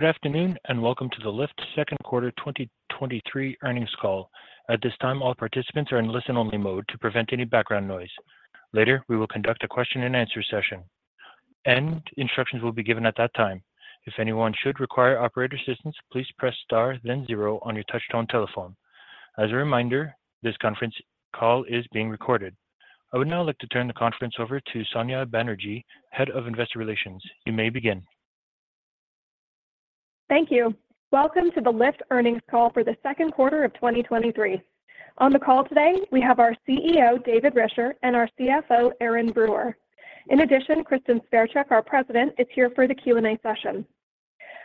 Good afternoon, and welcome to the Lyft 2Q 2023 earnings call. At this time, all participants are in listen-only mode to prevent any background noise. Later, we will conduct a question-and-answer session, and instructions will be given at that time. If anyone should require operator assistance, please press star then 0 on your touchtone telephone. As a reminder, this conference call is being recorded. I would now like to turn the conference over to Sonya Banerjee, Head of Investor Relations. You may begin. Thank you. Welcome to the Lyft earnings call for the Q2 of 2023. On the call today, we have our CEO, David Risher, and our CFO, Erin Brewer. In addition, Kristin Sverchek, our president, is here for the Q&A session.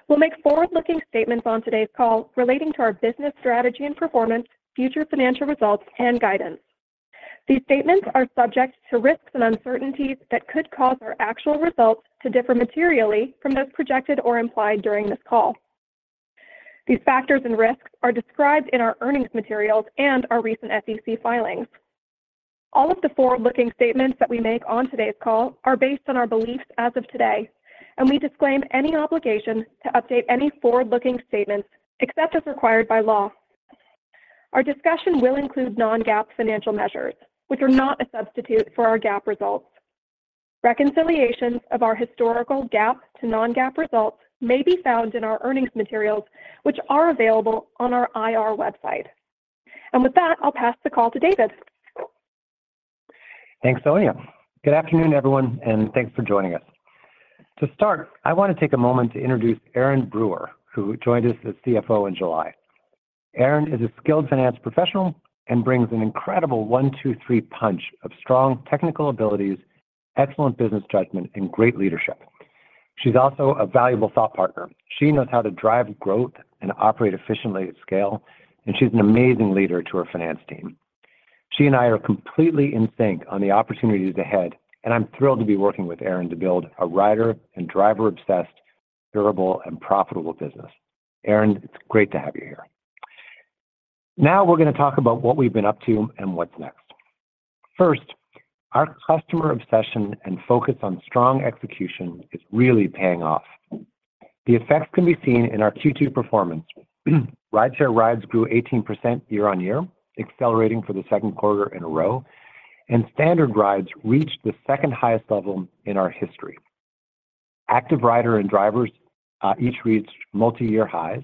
We'll make forward-looking statements on today's call relating to our business strategy and performance, future financial results, and guidance. These statements are subject to risks and uncertainties that could cause our actual results to differ materially from those projected or implied during this call. These factors and risks are described in our earnings materials and our recent SEC filings. All of the forward-looking statements that we make on today's call are based on our beliefs as of today. We disclaim any obligation to update any forward-looking statements except as required by law. Our discussion will include non-GAAP financial measures, which are not a substitute for our GAAP results. Reconciliations of our historical GAAP to non-GAAP results may be found in our earnings materials, which are available on our IR website. With that, I'll pass the call to David. Thanks, Sonya. Good afternoon, everyone, and thanks for joining us. To start, I want to take a moment to introduce Erin Brewer, who joined us as CFO in July. Erin is a skilled finance professional and brings an incredible one-two-three punch of strong technical abilities, excellent business judgment, and great leadership. She's also a valuable thought partner. She knows how to drive growth and operate efficiently at scale, and she's an amazing leader to our finance team. She and I are completely in sync on the opportunities ahead, and I'm thrilled to be working with Erin to build a rider and driver-obsessed, durable and profitable business. Erin, it's great to have you here. Now we're going to talk about what we've been up to and what's next. First, our customer obsession and focus on strong execution is really paying off. The effects can be seen in our Q2 performance. Rideshare rides grew 18% year-on-year, accelerating for the Q2 in a row, and standard rides reached the 2nd-highest level in our history. Active rider and drivers each reached multi-year highs,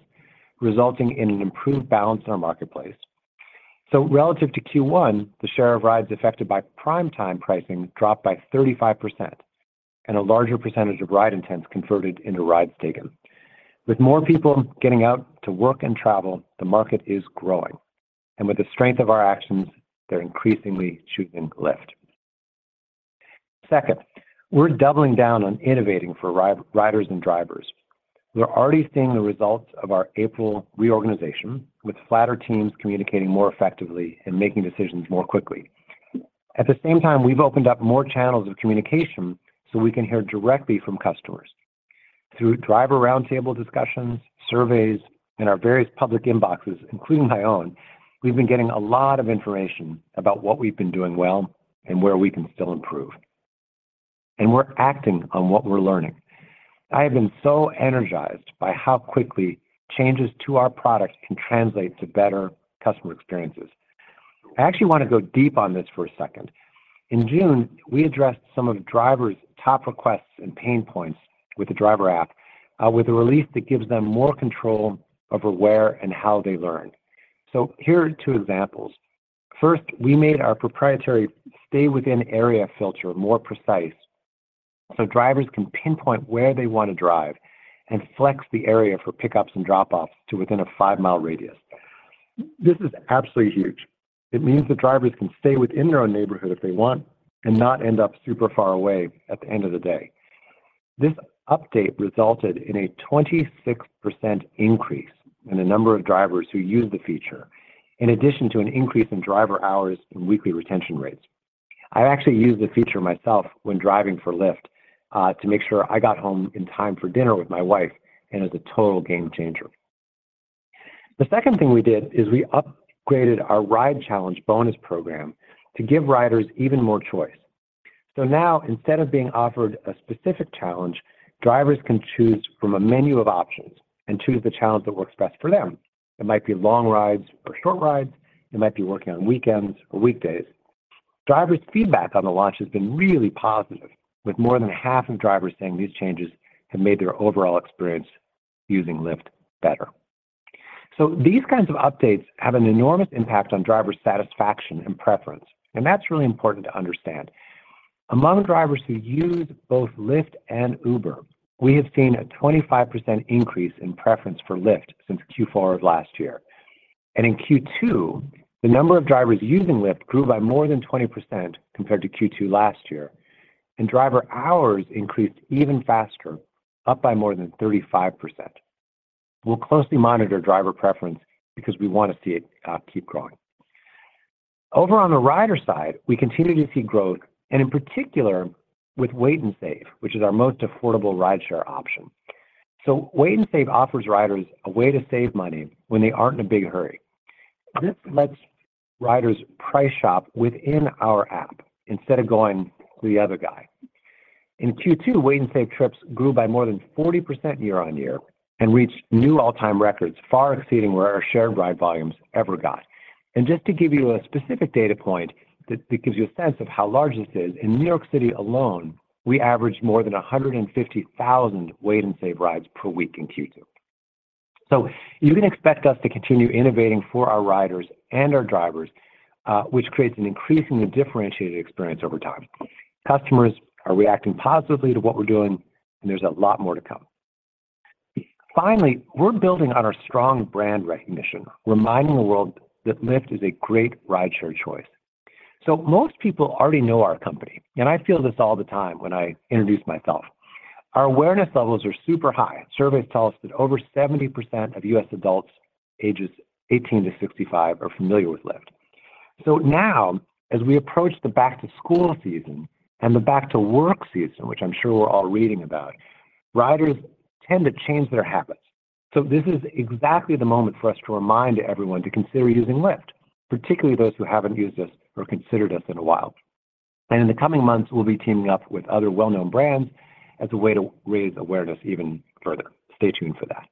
resulting in an improved balance in our marketplace. Relative to Q1, the share of rides affected by prime time pricing dropped by 35%, and a larger percentage of ride intents converted into rides taken. With more people getting out to work and travel, the market is growing, and with the strength of our actions, they're increasingly choosing Lyft. Second, we're doubling down on innovating for riders and drivers. We're already seeing the results of our April reorganization, with flatter teams communicating more effectively and making decisions more quickly. At the same time, we've opened up more channels of communication so we can hear directly from customers. Through driver roundtable discussions, surveys, and our various public inboxes, including my own, we've been getting a lot of information about what we've been doing well and where we can still improve, and we're acting on what we're learning. I have been so energized by how quickly changes to our products can translate to better customer experiences. I actually want to go deep on this for a second. In June, we addressed some of drivers' top requests and pain points with the driver app, with a release that gives them more control over where and how they learn. Here are two examples: First, we made our proprietary stay within area filter more precise, so drivers can pinpoint where they want to drive and flex the area for pickups and drop-offs to within a five-mile radius. This is absolutely huge. It means the drivers can stay within their own neighborhood if they want and not end up super far away at the end of the day. This update resulted in a 26% increase in the number of drivers who use the feature, in addition to an increase in driver hours and weekly retention rates. I actually use the feature myself when driving for Lyft to make sure I got home in time for dinner with my wife. It's a total game changer. The second thing we did is we upgraded our ride challenge bonus program to give riders even more choice. Now, instead of being offered a specific challenge, drivers can choose from a menu of options and choose the challenge that works best for them. It might be long rides or short rides. It might be working on weekends or weekdays. Drivers' feedback on the launch has been really positive, with more than half of drivers saying these changes have made their overall experience using Lyft better. These kinds of updates have an enormous impact on driver satisfaction and preference, and that's really important to understand. Among drivers who use both Lyft and Uber, we have seen a 25% increase in preference for Lyft since Q4 of last year. In Q2, the number of drivers using Lyft grew by more than 20% compared to Q2 last year, and driver hours increased even faster, up by more than 35%. We'll closely monitor driver preference because we want to see it keep growing. Over on the rider side, we continue to see growth, and in particular, with Wait & Save, which is our most affordable rideshare option. Wait & Save offers riders a way to save money when they aren't in a big hurry. This lets riders price shop within our app instead of going to the other guy. In Q2, Wait & Save trips grew by more than 40% year-on-year and reached new all-time records, far exceeding where our Shared Ride volumes ever got. Just to give you a specific data point that, that gives you a sense of how large this is, in New York City alone, we averaged more than 150,000 Wait & Save rides per week in Q2. You can expect us to continue innovating for our riders and our drivers, which creates an increasingly differentiated experience over time. Customers are reacting positively to what we're doing, and there's a lot more to come. Finally, we're building on our strong brand recognition, reminding the world that Lyft is a great rideshare choice. Most people already know our company, and I feel this all the time when I introduce myself. Our awareness levels are super high. Surveys tell us that over 70% of U.S. adults ages 18 to 65 are familiar with Lyft. Now, as we approach the back-to-school season and the back-to-work season, which I'm sure we're all reading about, riders tend to change their habits. This is exactly the moment for us to remind everyone to consider using Lyft, particularly those who haven't used us or considered us in a while. In the coming months, we'll be teaming up with other well-known brands as a way to raise awareness even further. Stay tuned for that.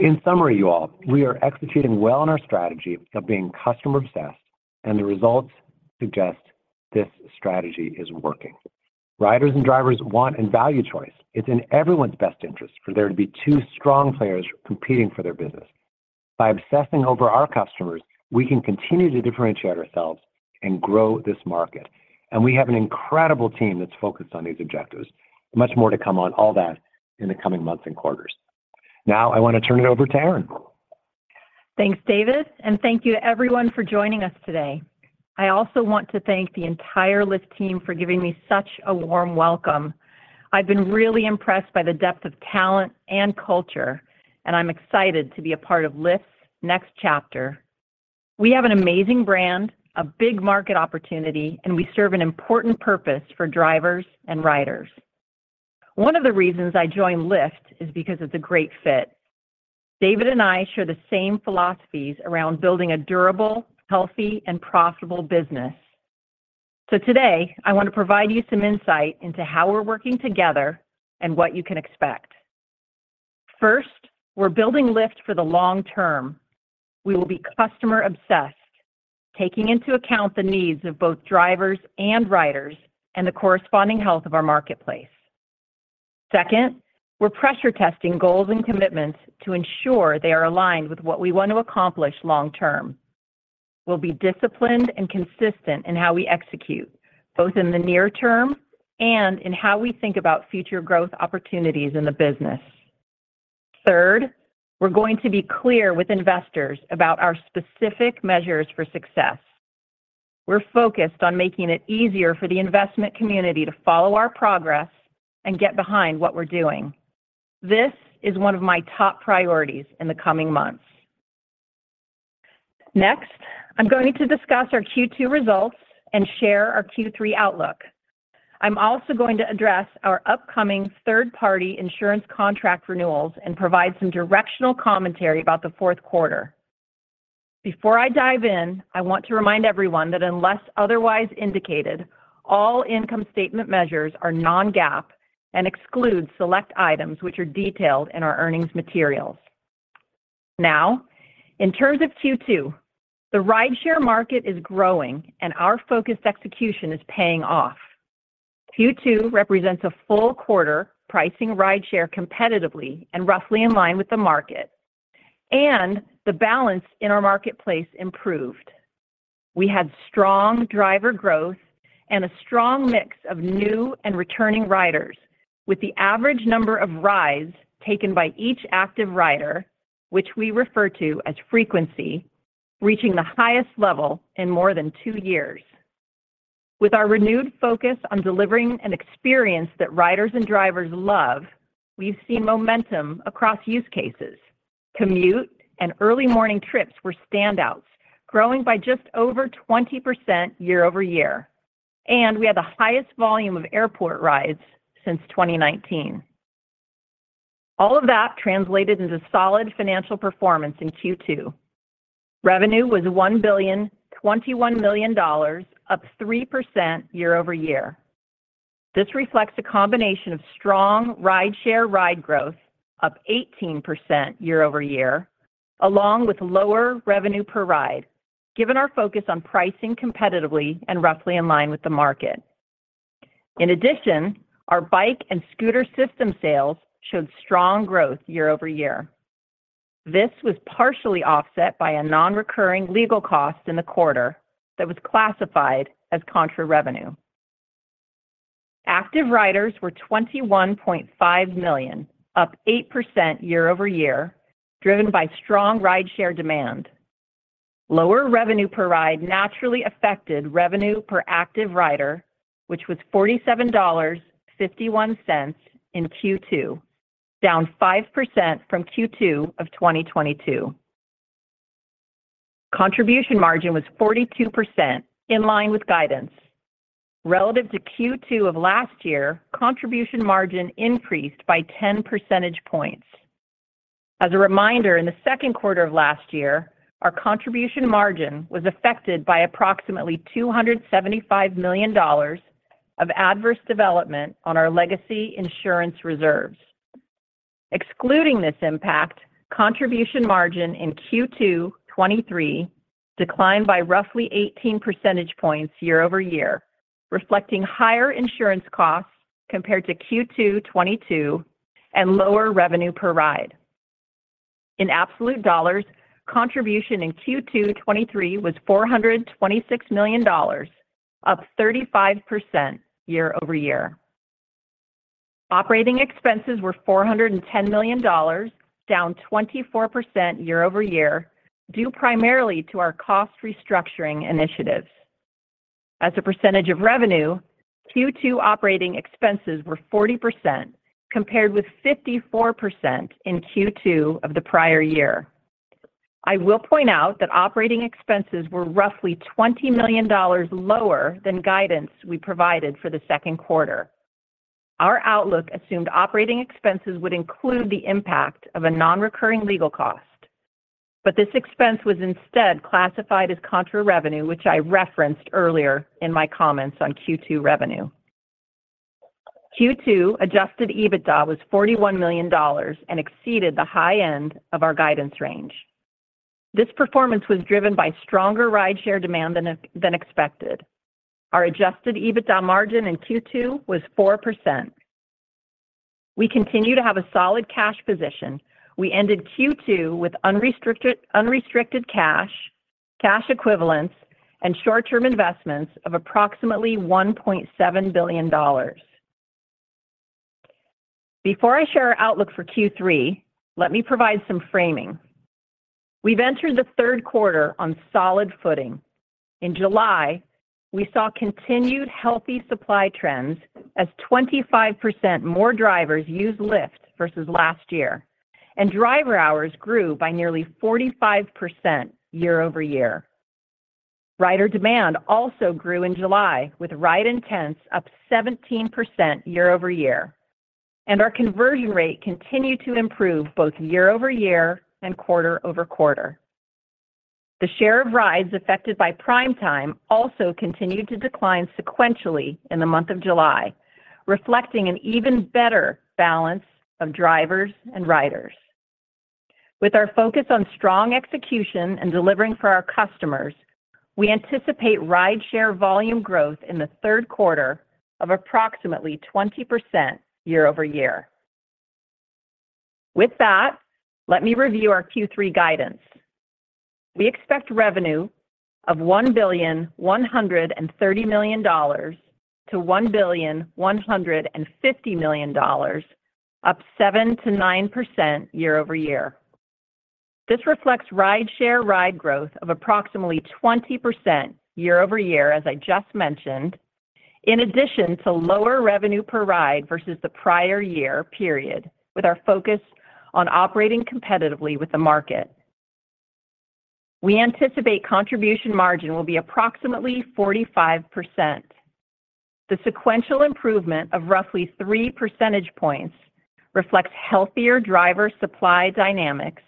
In summary, you all, we are executing well on our strategy of being customer-obsessed, and the results suggest this strategy is working. Riders and drivers want and value choice. It's in everyone's best interest for there to be two strong players competing for their business. By obsessing over our customers, we can continue to differentiate ourselves and grow this market, and we have an incredible team that's focused on these objectives. Much more to come on all that in the coming months and quarters. I want to turn it over to Erin. Thanks, David, and thank you to everyone for joining us today. I also want to thank the entire Lyft team for giving me such a warm welcome. I've been really impressed by the depth of talent and culture, and I'm excited to be a part of Lyft's next chapter. We have an amazing brand, a big market opportunity, and we serve an important purpose for drivers and riders. One of the reasons I joined Lyft is because it's a great fit. David and I share the same philosophies around building a durable, healthy, and profitable business. Today, I want to provide you some insight into how we're working together and what you can expect. First, we're building Lyft for the long term. We will be customer-obsessed, taking into account the needs of both drivers and riders and the corresponding health of our marketplace. Second, we're pressure testing goals and commitments to ensure they are aligned with what we want to accomplish long term. We'll be disciplined and consistent in how we execute, both in the near term and in how we think about future growth opportunities in the business. Third, we're going to be clear with investors about our specific measures for success. We're focused on making it easier for the investment community to follow our progress and get behind what we're doing. This is one of my top priorities in the coming months. Next, I'm going to discuss our Q2 results and share our Q3 outlook. I'm also going to address our upcoming third party insurance contract renewals and provide some directional commentary about the Q4. Before I dive in, I want to remind everyone that unless otherwise indicated, all income statement measures are non-GAAP and exclude select items which are detailed in our earnings materials. In terms of Q2, the rideshare market is growing, and our focused execution is paying off. Q2 represents a full quarter pricing rideshare competitively and roughly in line with the market, and the balance in our marketplace improved. We had strong driver growth and a strong mix of new and returning riders, with the average number of rides taken by each Active Rider, which we refer to as frequency, reaching the highest level in more than 2 years. With our renewed focus on delivering an experience that riders and drivers love, we've seen momentum across use cases. Commute and early morning trips were standouts, growing by just over 20% year-over-year, and we had the highest volume of airport rides since 2019. All of that translated into solid financial performance in Q2. Revenue was $1.021 billion, up 3% year-over-year. This reflects a combination of strong rideshare ride growth, up 18% year-over-year, along with lower revenue per ride, given our focus on pricing competitively and roughly in line with the market. In addition, our bike and scooter system sales showed strong growth year-over-year. This was partially offset by a non-recurring legal cost in the quarter that was classified as contra revenue. Active riders were 21.5 million, up 8% year-over-year, driven by strong rideshare demand. Lower revenue per ride naturally affected revenue per active rider, which was $47.51 in Q2, down 5% from Q2 of 2022. Contribution margin was 42%, in line with guidance. Relative to Q2 of last year, contribution margin increased by 10 percentage points. As a reminder, in the Q2 of last year, our contribution margin was affected by approximately $275 million of adverse development on our legacy insurance reserves. Excluding this impact, contribution margin in Q2 2023 declined by roughly 18 percentage points year-over-year, reflecting higher insurance costs compared to Q2 2022 and lower revenue per ride. In absolute dollars, contribution in Q2 2023 was $426 million, up 35% year-over-year. Operating expenses were $410 million, down 24% year-over-year, due primarily to our cost restructuring initiatives. As a percentage of revenue, Q2 operating expenses were 40%, compared with 54% in Q2 of the prior year. I will point out that operating expenses were roughly $20 million lower than guidance we provided for the Q2. Our outlook assumed operating expenses would include the impact of a non-recurring legal cost, but this expense was instead classified as contra revenue, which I referenced earlier in my comments on Q2 revenue. Q2 Adjusted EBITDA was $41 million and exceeded the high end of our guidance range. This performance was driven by stronger rideshare demand than expected. Our Adjusted EBITDA margin in Q2 was 4%. We continue to have a solid cash position. We ended Q2 with unrestricted cash, cash equivalents, and short-term investments of approximately $1.7 billion. Before I share our outlook for Q3, let me provide some framing. We've entered the Q3 on solid footing. In July, we saw continued healthy supply trends as 25% more drivers used Lyft versus last year, and driver hours grew by nearly 45% year-over-year. Rider demand also grew in July, with ride intents up 17% year-over-year, and our conversion rate continued to improve both year-over-year and quarter-over-quarter. The share of rides affected by Prime Time also continued to decline sequentially in the month of July, reflecting an even better balance of drivers and riders. With our focus on strong execution and delivering for our customers, we anticipate rideshare volume growth in the Q3 of approximately 20% year-over-year. With that, let me review our Q3 guidance. We expect revenue of $1.13 billion to 1.15 billion, up 7 to 9% year-over-year. This reflects rideshare ride growth of approximately 20% year-over-year, as I just mentioned, in addition to lower revenue per ride versus the prior year period, with our focus on operating competitively with the market. We anticipate contribution margin will be approximately 45%. The sequential improvement of roughly 3 percentage points reflects healthier driver supply dynamics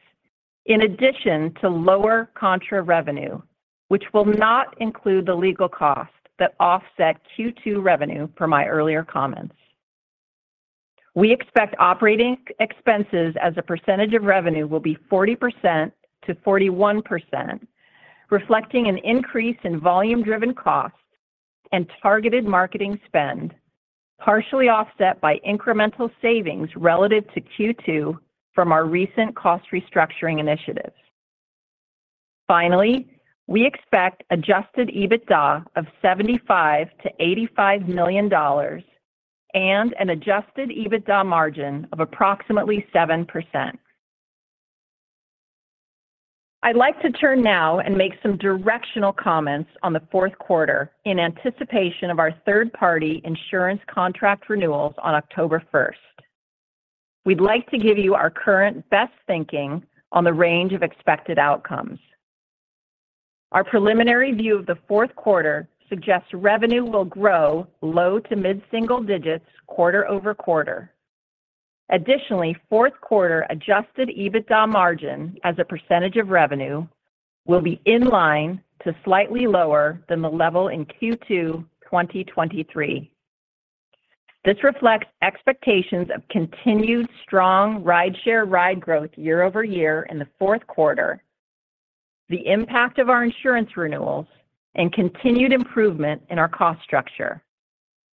in addition to lower contra revenue, which will not include the legal cost that offset Q2 revenue per my earlier comments. We expect operating expenses as a percentage of revenue will be 40 to 41%, reflecting an increase in volume-driven costs and targeted marketing spend, partially offset by incremental savings relative to Q2 from our recent cost restructuring initiatives. Finally, we expect Adjusted EBITDA of $75 million to 85 million and an Adjusted EBITDA margin of approximately 7%. I'd like to turn now and make some directional comments on the Q4 in anticipation of our third-party insurance contract renewals on October 1st. We'd like to give you our current best thinking on the range of expected outcomes. Our preliminary view of the Q4 suggests revenue will grow low to mid single digits quarter-over-quarter. Additionally, Q4 Adjusted EBITDA margin as a percent of revenue will be in line to slightly lower than the level in Q2 2023. This reflects expectations of continued strong rideshare ride growth year-over-year in the Q4, the impact of our insurance renewals, and continued improvement in our cost structure.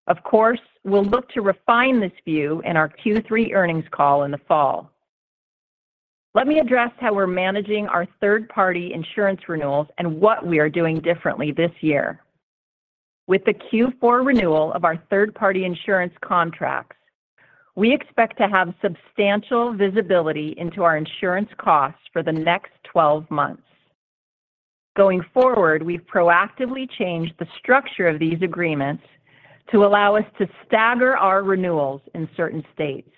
Of course, we'll look to refine this view in our Q3 earnings call in the fall. Let me address how we're managing our third-party insurance renewals and what we are doing differently this year. With the Q4 renewal of our third-party insurance contracts, we expect to have substantial visibility into our insurance costs for the next 12 months. Going forward, we've proactively changed the structure of these agreements to allow us to stagger our renewals in certain states.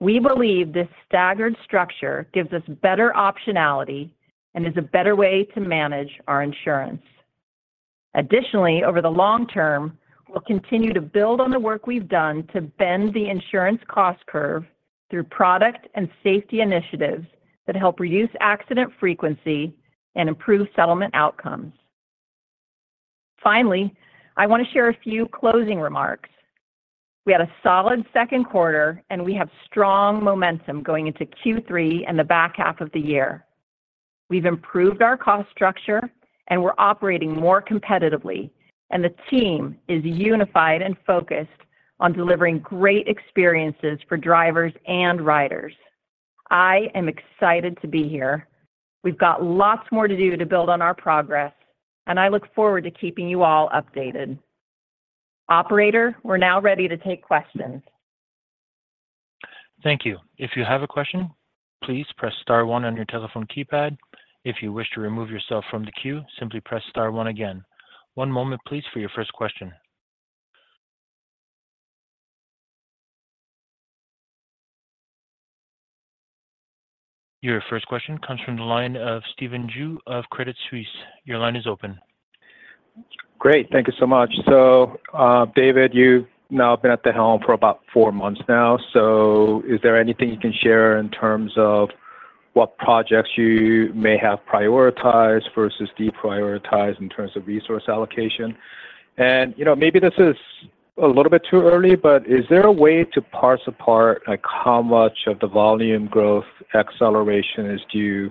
We believe this staggered structure gives us better optionality and is a better way to manage our insurance. Additionally, over the long term, we'll continue to build on the work we've done to bend the insurance cost curve through product and safety initiatives that help reduce accident frequency and improve settlement outcomes. Finally, I want to share a few closing remarks. We had a solid Q2, and we have strong momentum going into Q3 and the back half of the year. We've improved our cost structure, and we're operating more competitively, and the team is unified and focused on delivering great experiences for drivers and riders. I am excited to be here. We've got lots more to do to build on our progress, and I look forward to keeping you all updated. Operator, we're now ready to take questions. Thank you. If you have a question, please press star one on your telephone keypad. If you wish to remove yourself from the queue, simply press star one again. One moment, please, for your first question. Your first question comes from the line of Stephen Ju of Credit Suisse. Your line is open. Great. Thank you so much. David, you've now been at the helm for about four months now. Is there anything you can share in terms of what projects you may have prioritized versus deprioritized in terms of resource allocation? You know, maybe this is a little bit too early, but is there a way to parse apart, like, how much of the volume growth acceleration is due,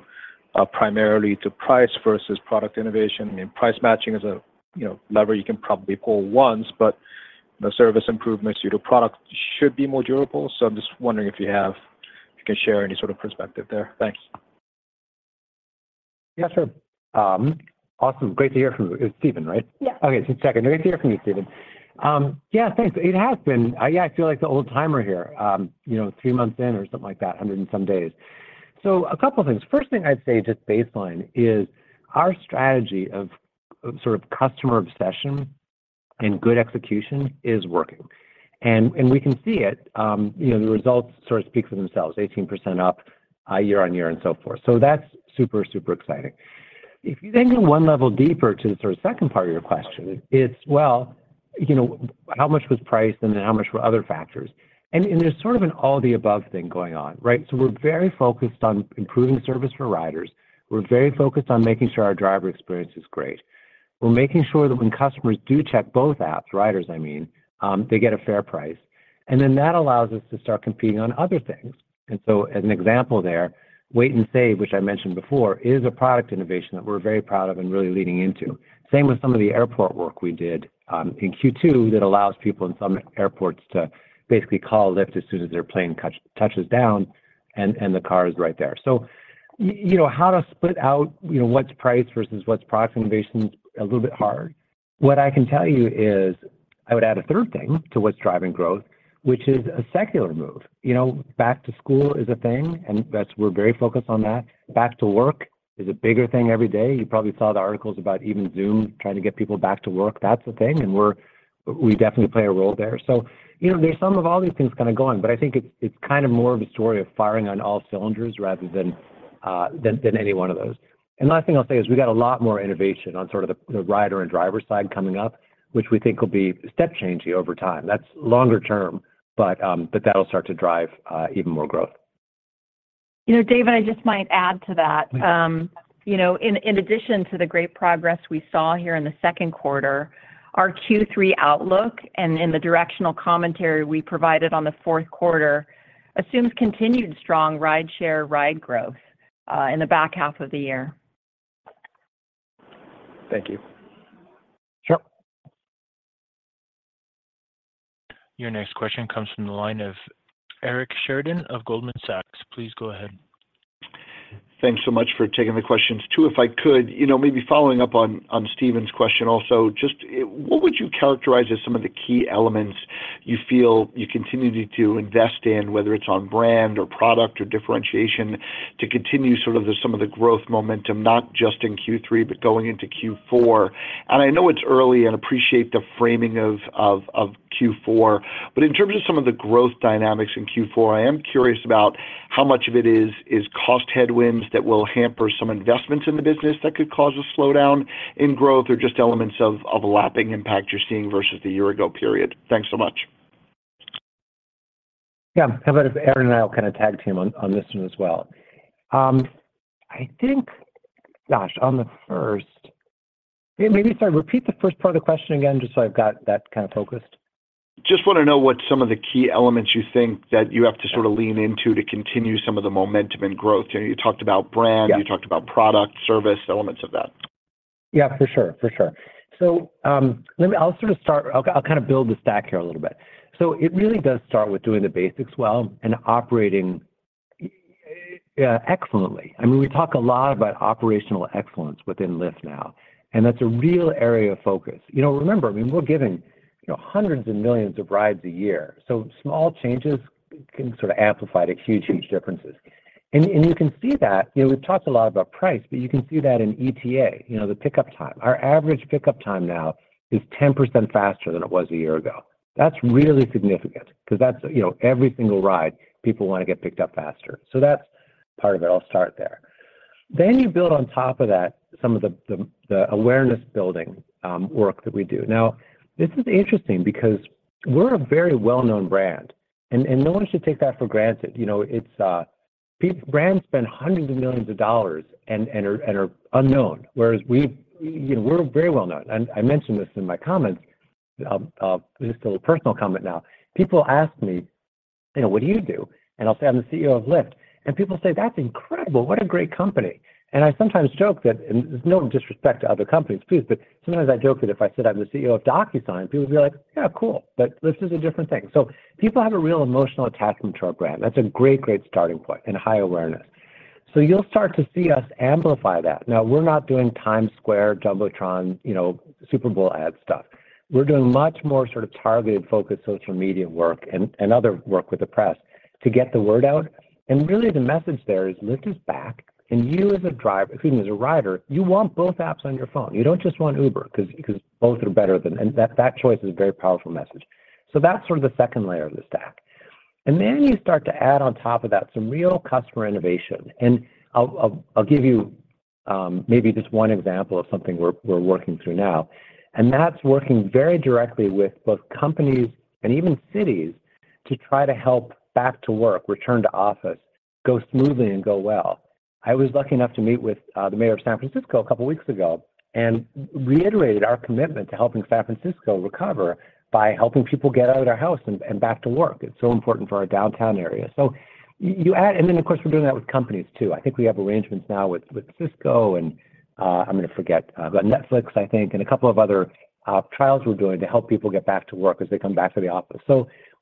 primarily to price versus product innovation? I mean, price matching is a, you know, lever you can probably pull once, but the service improvements due to product should be more durable. I'm just wondering if you can share any sort of perspective there. Thanks. Yeah, sure. Awesome. Great to hear from you. It's Stephen, right? Yeah. Okay. Just checking. Great to hear from you, Stephen. Yeah, thanks. It has been. Yeah, I feel like the old timer here, you know, three months in or something like that, 100 and some days. A couple of things. First thing I'd say, just baseline, is our strategy of, of sort of customer obsession and good execution is working, and, and we can see it. You know, the results sort of speak for themselves, 18% up, year-on-year and so forth. That's super, super exciting. If you then go one level deeper to the sort of second part of your question, it's, well, you know, how much was price and then how much were other factors? And, and there's sort of an all-the-above thing going on, right? We're very focused on improving service for riders. We're very focused on making sure our driver experience is great. We're making sure that when customers do check both apps, riders, I mean, they get a fair price, that allows us to start competing on other things. As an example there, Wait and Save, which I mentioned before, is a product innovation that we're very proud of and really leaning into. Same with some of the airport work we did in Q2 that allows people in some airports to basically call a Lyft as soon as their plane touch, touches down, and the car is right there. You know, how to split out, you know, what's price versus what's product innovation is a little bit hard. What I can tell you is, I would add a third thing to what's driving growth, which is a secular move. You know, back to school is a thing, and that's, we're very focused on that. Back to work is a bigger thing every day. You probably saw the articles about even Zoom trying to get people back to work. That's a thing, and we're, we definitely play a role there. You know, there's some of all these things kind of going, but I think it's, it's kind of more of a story of firing on all cylinders rather than any 1 of those. Last thing I'll say is we got a lot more innovation on sort of the, the rider and driver side coming up, which we think will be step changey over time. That's longer term, but that'll start to drive even more growth. You know, David, I just might add to that. Please. You know, in, in addition to the great progress we saw here in the Q2, our Q3 outlook and in the directional commentary we provided on the Q4 assumes continued strong rideshare ride growth in the back half of the year. Thank you. Sure. Your next question comes from the line of Eric Sheridan of Goldman Sachs. Please go ahead. Thanks so much for taking the questions. Two, if I could, you know, maybe following up on, on Stephen's question also, just what would you characterize as some of the key elements you feel you continue to invest in, whether it's on brand or product or differentiation, to continue sort of the, some of the growth momentum, not just in Q3, but going into Q4? I know it's early and appreciate the framing of, of, of Q4, but in terms of some of the growth dynamics in Q4, I am curious about how much of it is, is cost headwinds that will hamper some investments in the business that could cause a slowdown in growth or just elements of, of a lapping impact you're seeing versus the year ago period. Thanks so much. Yeah. How about if Eric and I will kind of tag team on, on this one as well? I think, gosh, on the first... Maybe, sorry, repeat the first part of the question again, just so I've got that kind of focused. Just want to know what some of the key elements you think that you have to sort of lean into to continue some of the momentum and growth. You talked about brand- Yeah. You talked about product, service, elements of that. Yeah, for sure. For sure. I'll sort of start, I'll, I'll kind of build the stack here a little bit. It really does start with doing the basics well and operating excellently. I mean, we talk a lot about operational excellence within Lyft now, and that's a real area of focus. You know, remember, I mean, we're giving, you know, hundreds and millions of rides a year, small changes can sort of amplify to huge, huge differences.... And you can see that, you know, we've talked a lot about price, but you can see that in ETA, you know, the pickup time. Our average pickup time now is 10% faster than it was a year ago. That's really significant because that's, you know, every single ride, people want to get picked up faster. That's part of it. I'll start there. You build on top of that some of the, the, the awareness-building, work that we do. This is interesting because we're a very well-known brand, and no one should take that for granted. You know, it's brands spend hundreds of millions of dollars and are unknown, whereas we, you know, we're very well known. I mentioned this in my comments, this is a personal comment now. People ask me, you know, "What do you do?" I'll say, "I'm the CEO of Lyft." People say, "That's incredible! What a great company." I sometimes joke that, and this is no disrespect to other companies, please, but sometimes I joke that if I said I'm the CEO of DocuSign, people would be like, "Yeah, cool." Lyft is a different thing. People have a real emotional attachment to our brand. That's a great, great starting point and high awareness. You'll start to see us amplify that. Now, we're not doing Times Square jumbotron, you know, Super Bowl ad stuff. We're doing much more sort of targeted, focused social media work and other work with the press to get the word out. Really, the message there is Lyft is back, and you as a driver, excuse me, as a rider, you want both apps on your phone. You don't just want Uber, because both are better than... That, that choice is a very powerful message. That's sort of the second layer of the stack. Then you start to add on top of that some real customer innovation. I'll, I'll, I'll give you, maybe just 1 example of something we're, we're working through now, and that's working very directly with both companies and even cities to try to help back to work, return to office, go smoothly and go well. I was lucky enough to meet with, the mayor of San Francisco 2 weeks ago and reiterated our commitment to helping San Francisco recover by helping people get out of their house and, and back to work. It's so important for our downtown area. Then, of course, we're doing that with companies too. I think we have arrangements now with, with Cisco, and, I'm going to forget, but Netflix, I think, and 2 other trials we're doing to help people get back to work as they come back to the office.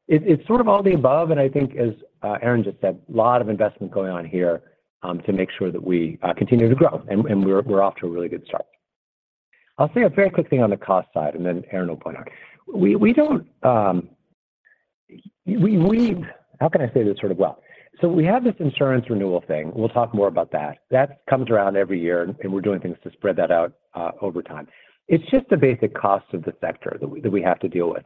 It, it's sort of all the above, and I think as Erin just said, a lot of investment going on here, to make sure that we continue to grow, and we're off to a really good start. I'll say a very quick thing on the cost side, and then Erin will point out. We don't... how can I say this sort of well? We have this insurance renewal thing. We'll talk more about that. That comes around every year, and we're doing things to spread that out over time. It's just a basic cost of the sector that we have to deal with.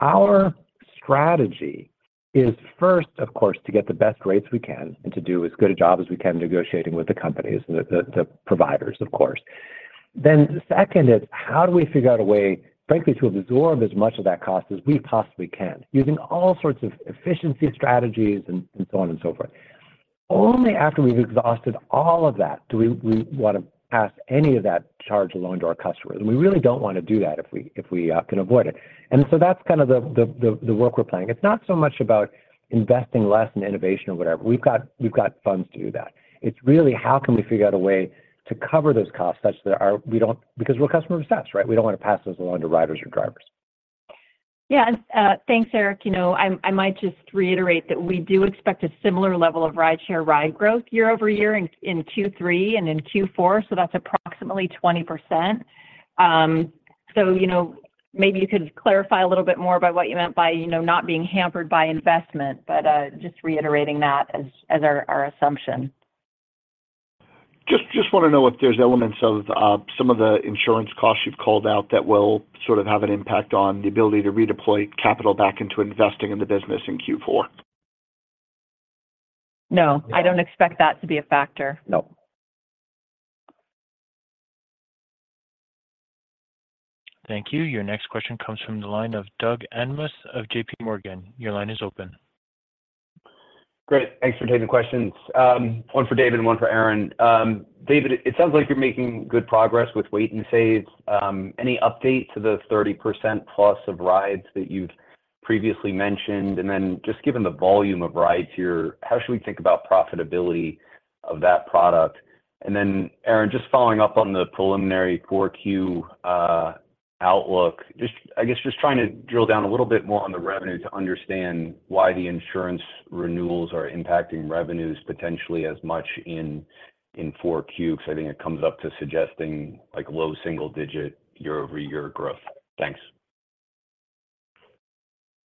Our strategy is first, of course, to get the best rates we can and to do as good a job as we can negotiating with the companies and the, the, the providers, of course. The second is, how do we figure out a way, frankly, to absorb as much of that cost as we possibly can, using all sorts of efficiency strategies and, and so on and so forth? Only after we've exhausted all of that do we, we want to pass any of that charge along to our customers, and we really don't want to do that if we, if we can avoid it. That's kind of the, the, the, the work we're planning. It's not so much about investing less in innovation or whatever. We've got, we've got funds to do that. It's really, how can we figure out a way to cover those costs such that because we're customer obsessed, right? We don't want to pass those along to riders or drivers. Yeah, thanks, Eric. You know, I might just reiterate that we do expect a similar level of rideshare ride growth year-over-year in Q3 and in Q4, so that's approximately 20%. You know, maybe you could clarify a little bit more by what you meant by, you know, not being hampered by investment, but just reiterating that as, as our, our assumption. Just, just want to know if there's elements of some of the insurance costs you've called out that will sort of have an impact on the ability to redeploy capital back into investing in the business in Q4? No, I don't expect that to be a factor. Nope. Thank you. Your next question comes from the line of Doug Anmuth of J.P. Morgan. Your line is open. Great. Thanks for taking questions. One for David and one for Erin. David, it sounds like you're making good progress with Wait & Save. Any update to the 30%+ of rides that you've previously mentioned? Just given the volume of rides here, how should we think about profitability of that product? Erin, just following up on the preliminary 4Q outlook, I guess just trying to drill down a little bit more on the revenue to understand why the insurance renewals are impacting revenues potentially as much in 4Q, because I think it comes up to suggesting, like, low single-digit year-over-year growth. Thanks.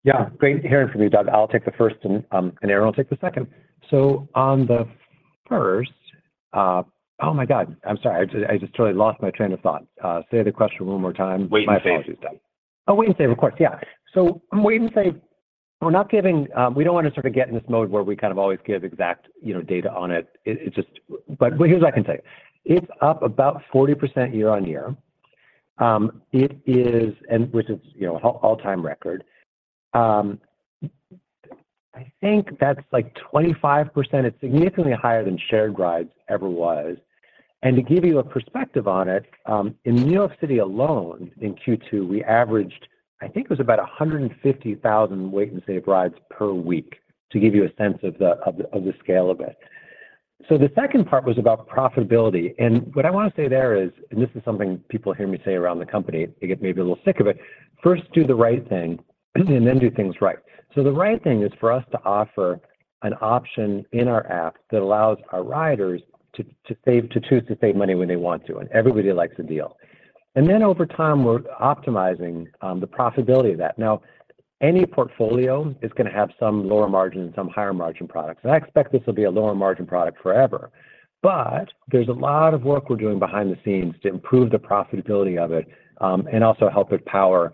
Yeah, great hearing from you, Doug. I'll take the first and, and Erin will take the second. On the first... Oh, my God! I'm sorry. I just, I just totally lost my train of thought. Say the question one more time. Wait & Save. My apologies, Doug. Oh, Wait & Save, of course. Yeah. Wait & Save, we're not giving, we don't want to sort of get in this mode where we kind of always give exact, you know, data on it. But here's what I can tell you: It's up about 40% year-over-year. It is, and which is, you know, all-time record. I think that's, like, 25%. It's significantly higher than Shared Ride ever was. To give you a perspective on it, in New York City alone, in Q2, we averaged, I think it was about 150,000 Wait & Save rides per week, to give you a sense of the, of the, of the scale of it. The second part was about profitability, and what I want to say there is, and this is something people hear me say around the company, they get maybe a little sick of it: First, do the right thing, and then do things right. The right thing is for us to offer an option in our app that allows our riders to choose to save money when they want to, and everybody likes a deal. Then over time, we're optimizing the profitability of that. Any portfolio is going to have some lower margin and some higher margin products, and I expect this will be a lower margin product forever. There's a lot of work we're doing behind the scenes to improve the profitability of it, and also help it power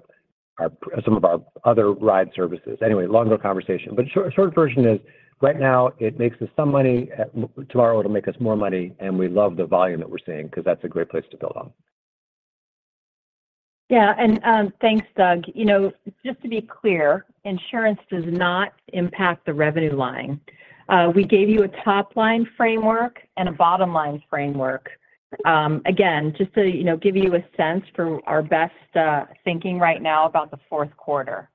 our, some of our other ride services. Longer conversation, but short, short version is: right now, it makes us some money. Tomorrow, it'll make us more money. We love the volume that we're seeing, because that's a great place to build on. Yeah, and, thanks, Doug. You know, just to be clear, insurance does not impact the revenue line. We gave you a top-line framework and a bottom-line framework. Again, just to, you know, give you a sense for our best thinking right now about the Q4.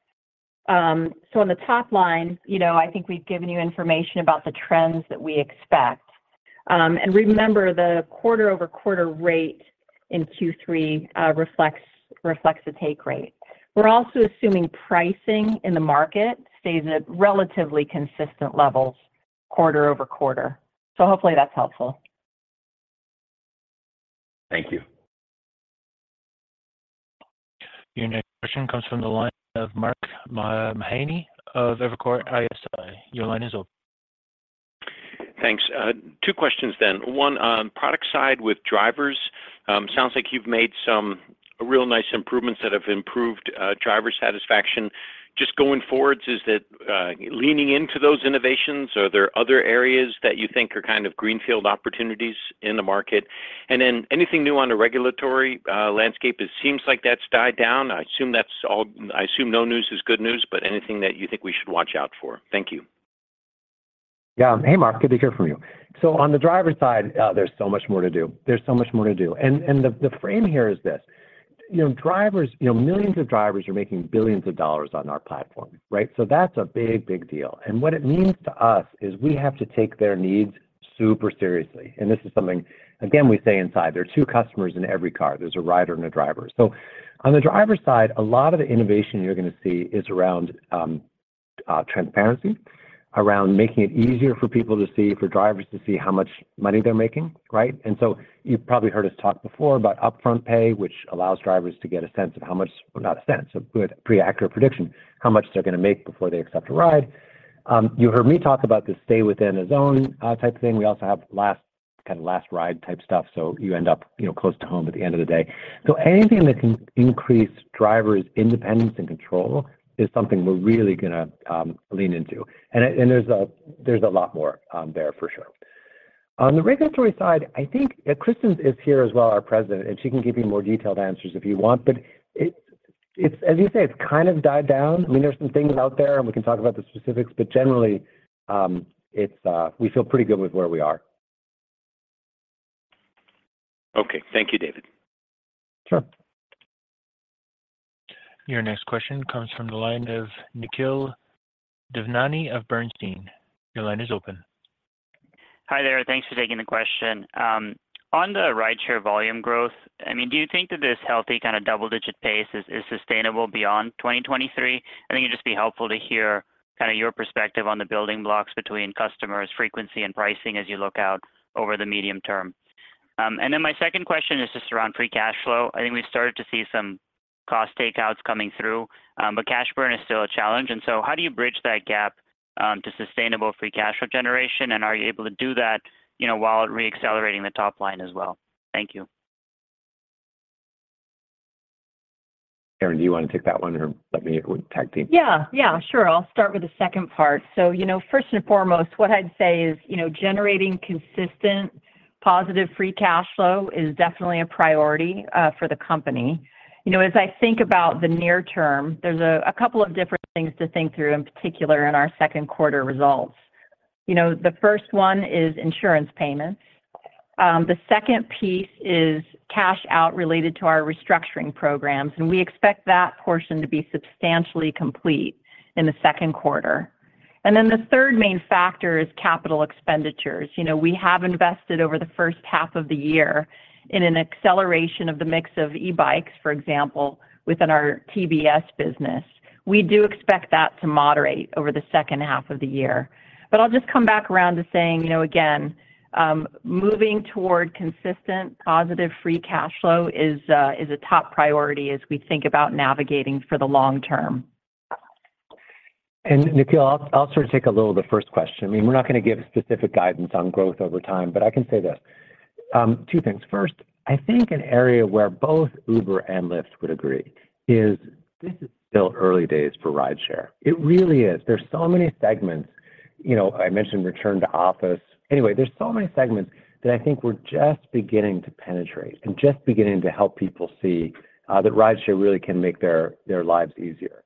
On the top line, you know, I think we've given you information about the trends that we expect. Remember, the quarter-over-quarter rate in Q3 reflects, reflects the take rate. We're also assuming pricing in the market stays at relatively consistent levels quarter-over-quarter. Hopefully that's helpful. Thank you. Your next question comes from the line of Mark Mahaney of Evercore ISI. Your line is open. Thanks. 2 questions then. One, on product side with drivers, sounds like you've made some real nice improvements that have improved driver satisfaction. Just going forward, is it leaning into those innovations? Are there other areas that you think are kind of greenfield opportunities in the market? Anything new on the regulatory landscape? It seems like that's died down. I assume no news is good news, but anything that you think we should watch out for? Thank you. Yeah. Hey, Mark, good to hear from you. On the driver side, there's so much more to do. There's so much more to do. The frame here is this: you know, drivers- you know, millions of drivers are making billions of dollars on our platform, right? That's a big, big deal. What it means to us is we have to take their needs super seriously, and this is something, again, we say inside, there are two customers in every car. There's a rider and a driver. On the driver side, a lot of the innovation you're going to see is around transparency, around making it easier for people to see, for drivers to see how much money they're making, right? You've probably heard us talk before about upfront pay, which allows drivers to get a sense of how much- well, not a sense, a good, pretty accurate prediction, how much they're going to make before they accept a ride. You heard me talk about the stay within a zone type thing. We also have last- kind of last ride type stuff, so you end up, you know, close to home at the end of the day. Anything that can increase drivers' independence and control is something we're really going to lean into, and there's a, there's a lot more there for sure. On the regulatory side, I think, Kristin is here as well, our President, and she can give you more detailed answers if you want. It's, as you say, it's kind of died down. I mean, there are some things out there, and we can talk about the specifics, but generally, it's, we feel pretty good with where we are. Okay. Thank you, David. Sure. Your next question comes from the line of Nikhil Devnani of Bernstein. Your line is open. Hi there. Thanks for taking the question. On the rideshare volume growth, I mean, do you think that this healthy kind of double-digit pace is, is sustainable beyond 2023? I think it'd just be helpful to hear kind of your perspective on the building blocks between customers, frequency, and pricing as you look out over the medium term. My second question is just around free cash flow. I think we started to see some cost takeouts coming through, but cash burn is still a challenge. How do you bridge that gap to sustainable free cash flow generation? Are you able to do that, you know, while re-accelerating the top line as well? Thank you. Karen, do you want to take that one, or let me tag team? Yeah. Yeah, sure. I'll start with the second part. You know, first and foremost, what I'd say is, you know, generating consistent positive free cash flow is definitely a priority for the company. You know, as I think about the near term, there's a couple of different things to think through, in particular in our Q2 results. You know, the first one is insurance payments. The second piece is cash out related to our restructuring programs, and we expect that portion to be substantially complete in the Q2. The third main factor is capital expenditures. You know, we have invested over the first half of the year in an acceleration of the mix of e-bikes, for example, within our B&S business. We do expect that to moderate over the second half of the year. I'll just come back around to saying, you know, again, moving toward consistent positive free cash flow is a, is a top priority as we think about navigating for the long term. Nikhil, I'll, I'll sort of take a little of the first question. I mean, we're not going to give specific guidance on growth over time, but I can say this. Two things. First, I think an area where both Uber and Lyft would agree is this is still early days for rideshare. It really is. There's so many segments, you know, I mentioned return to office. Anyway, there's so many segments that I think we're just beginning to penetrate and just beginning to help people see that rideshare really can make their lives easier.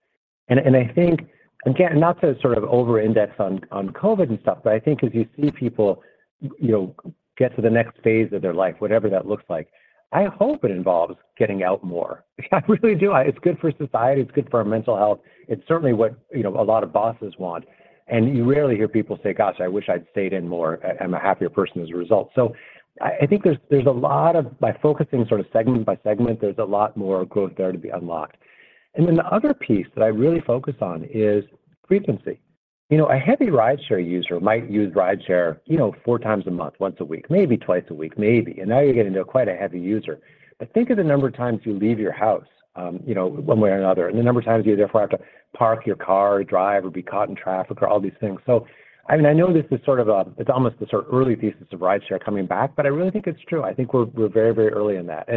And, and I think, again, not to sort of over-index on, on COVID and stuff, but I think as you see people, you, you know, get to the next phase of their life, whatever that looks like, I hope it involves getting out more. I really do. It's good for society, it's good for our mental health. It's certainly what, you know, a lot of bosses want, and you rarely hear people say: "Gosh, I wish I'd stayed in more. I'm a happier person as a result." I, I think there's, there's a lot of... by focusing sort of segment by segment, there's a lot more growth there to be unlocked. The other piece that I really focus on is frequency.... You know, a heavy rideshare user might use rideshare, you know, four times a month, once a week, maybe twice a week, maybe, and now you're getting to know quite a heavy user. Think of the number of times you leave your house, you know, one way or another, and the number of times you therefore have to park your car, or drive, or be caught in traffic, or all these things. I mean, I know this is sort of, it's almost the sort of early thesis of rideshare coming back, but I really think it's true. I think we're, we're very, very early in that.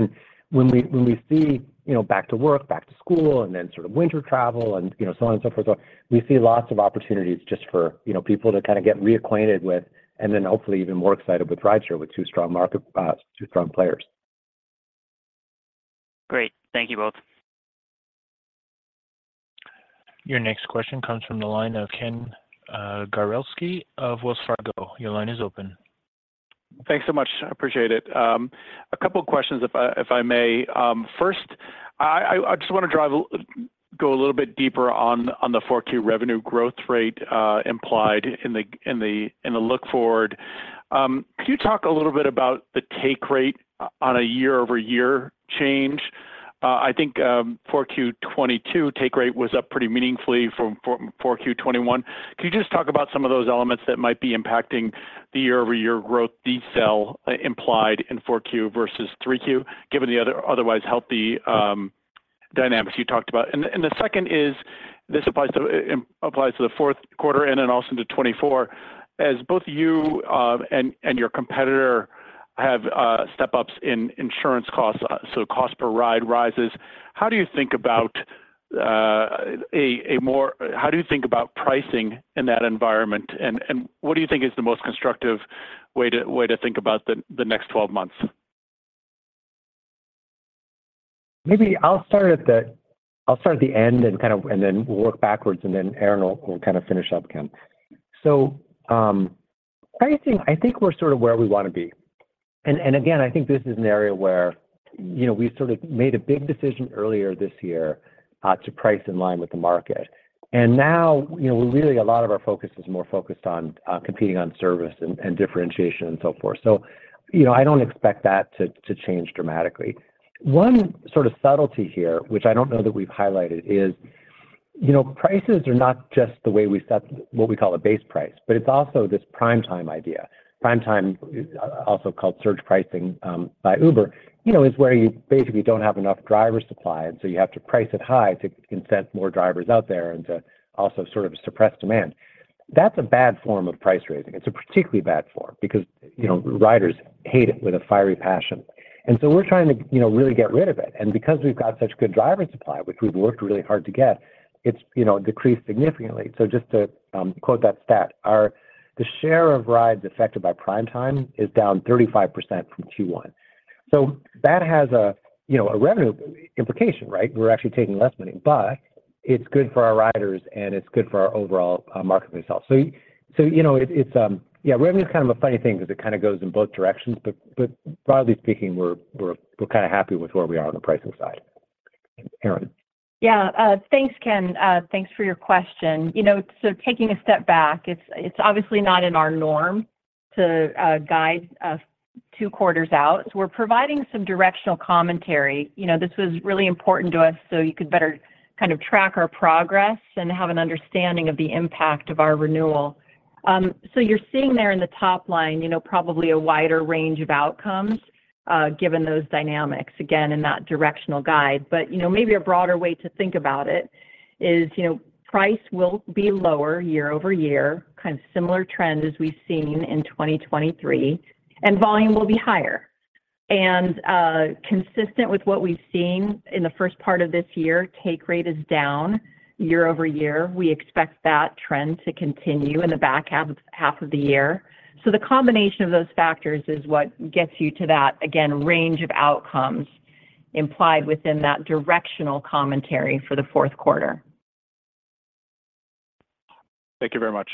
When we, when we see, you know, back to work, back to school, and then sort of winter travel and, you know, so on and so forth, so we see lots of opportunities just for, you know, people to kind of get reacquainted with, and then hopefully even more excited with rideshare, with two strong market, two strong players. Great. Thank you both. Your next question comes from the line of Ken Gawrelski of Wells Fargo. Your line is open. Thanks so much. I appreciate it. A couple of questions if I, if I may. First, I just want to go a little bit deeper on the full-year revenue growth rate implied in the look forward. Could you talk a little bit about the take rate on a year-over-year change? I think, 4Q22 take rate was up pretty meaningfully from 4Q21. Can you just talk about some of those elements that might be impacting the year-over-year growth, decel implied in 4Q versus 3Q, given the otherwise healthy dynamics you talked about? The second is, this applies to the Q4 and then also to 2024. As both you, and, and your competitor have, step-ups in insurance costs, so cost per ride rises, how do you think about pricing in that environment? What do you think is the most constructive way to, way to think about the, the next 12 months? Maybe I'll start at the end and kind of, and then work backwards, and then Erin will kind of finish up, Ken. Pricing, I think we're sort of where we want to be. Again, I think this is an area where, you know, we sort of made a big decision earlier this year to price in line with the market. Now, you know, really a lot of our focus is more focused on competing on service and differentiation and so forth. You know, I don't expect that to change dramatically. One sort of subtlety here, which I don't know that we've highlighted, is, you know, prices are not just the way we set what we call a base price, but it's also this Prime Time idea. Prime Time, also called surge pricing, by Uber, you know, is where you basically don't have enough driver supply, you have to price it high to incent more drivers out there and to also sort of suppress demand. That's a bad form of price raising. It's a particularly bad form because, you know, riders hate it with a fiery passion. We're trying to, you know, really get rid of it. Because we've got such good driver supply, which we've worked really hard to get, it's, you know, decreased significantly. Just to quote that stat, our-- the share of rides affected by Prime Time is down 35% from Q1. That has a, you know, a revenue implication, right? We're actually taking less money, but it's good for our riders, and it's good for our overall market results. You know, it, it's, yeah, revenue is kind of a funny thing because it kind of goes in both directions, but, but broadly speaking, we're, we're, we're kind of happy with where we are on the pricing side. Erin? Yeah, thanks, Ken. Thanks for your question. You know, so taking a step back, it's, it's obviously not in our norm to guide us two quarters out. We're providing some directional commentary. You know, this was really important to us so you could better kind of track our progress and have an understanding of the impact of our renewal. So you're seeing there in the top line, you know, probably a wider range of outcomes, given those dynamics, again, in that directional guide. You know, maybe a broader way to think about it is, you know, price will be lower year-over-year, kind of similar trend as we've seen in 2023, and volume will be higher. Consistent with what we've seen in the first part of this year, take rate is down year-over-year. We expect that trend to continue in the back half, half of the year. The combination of those factors is what gets you to that, again, range of outcomes implied within that directional commentary for the Q4. Thank you very much.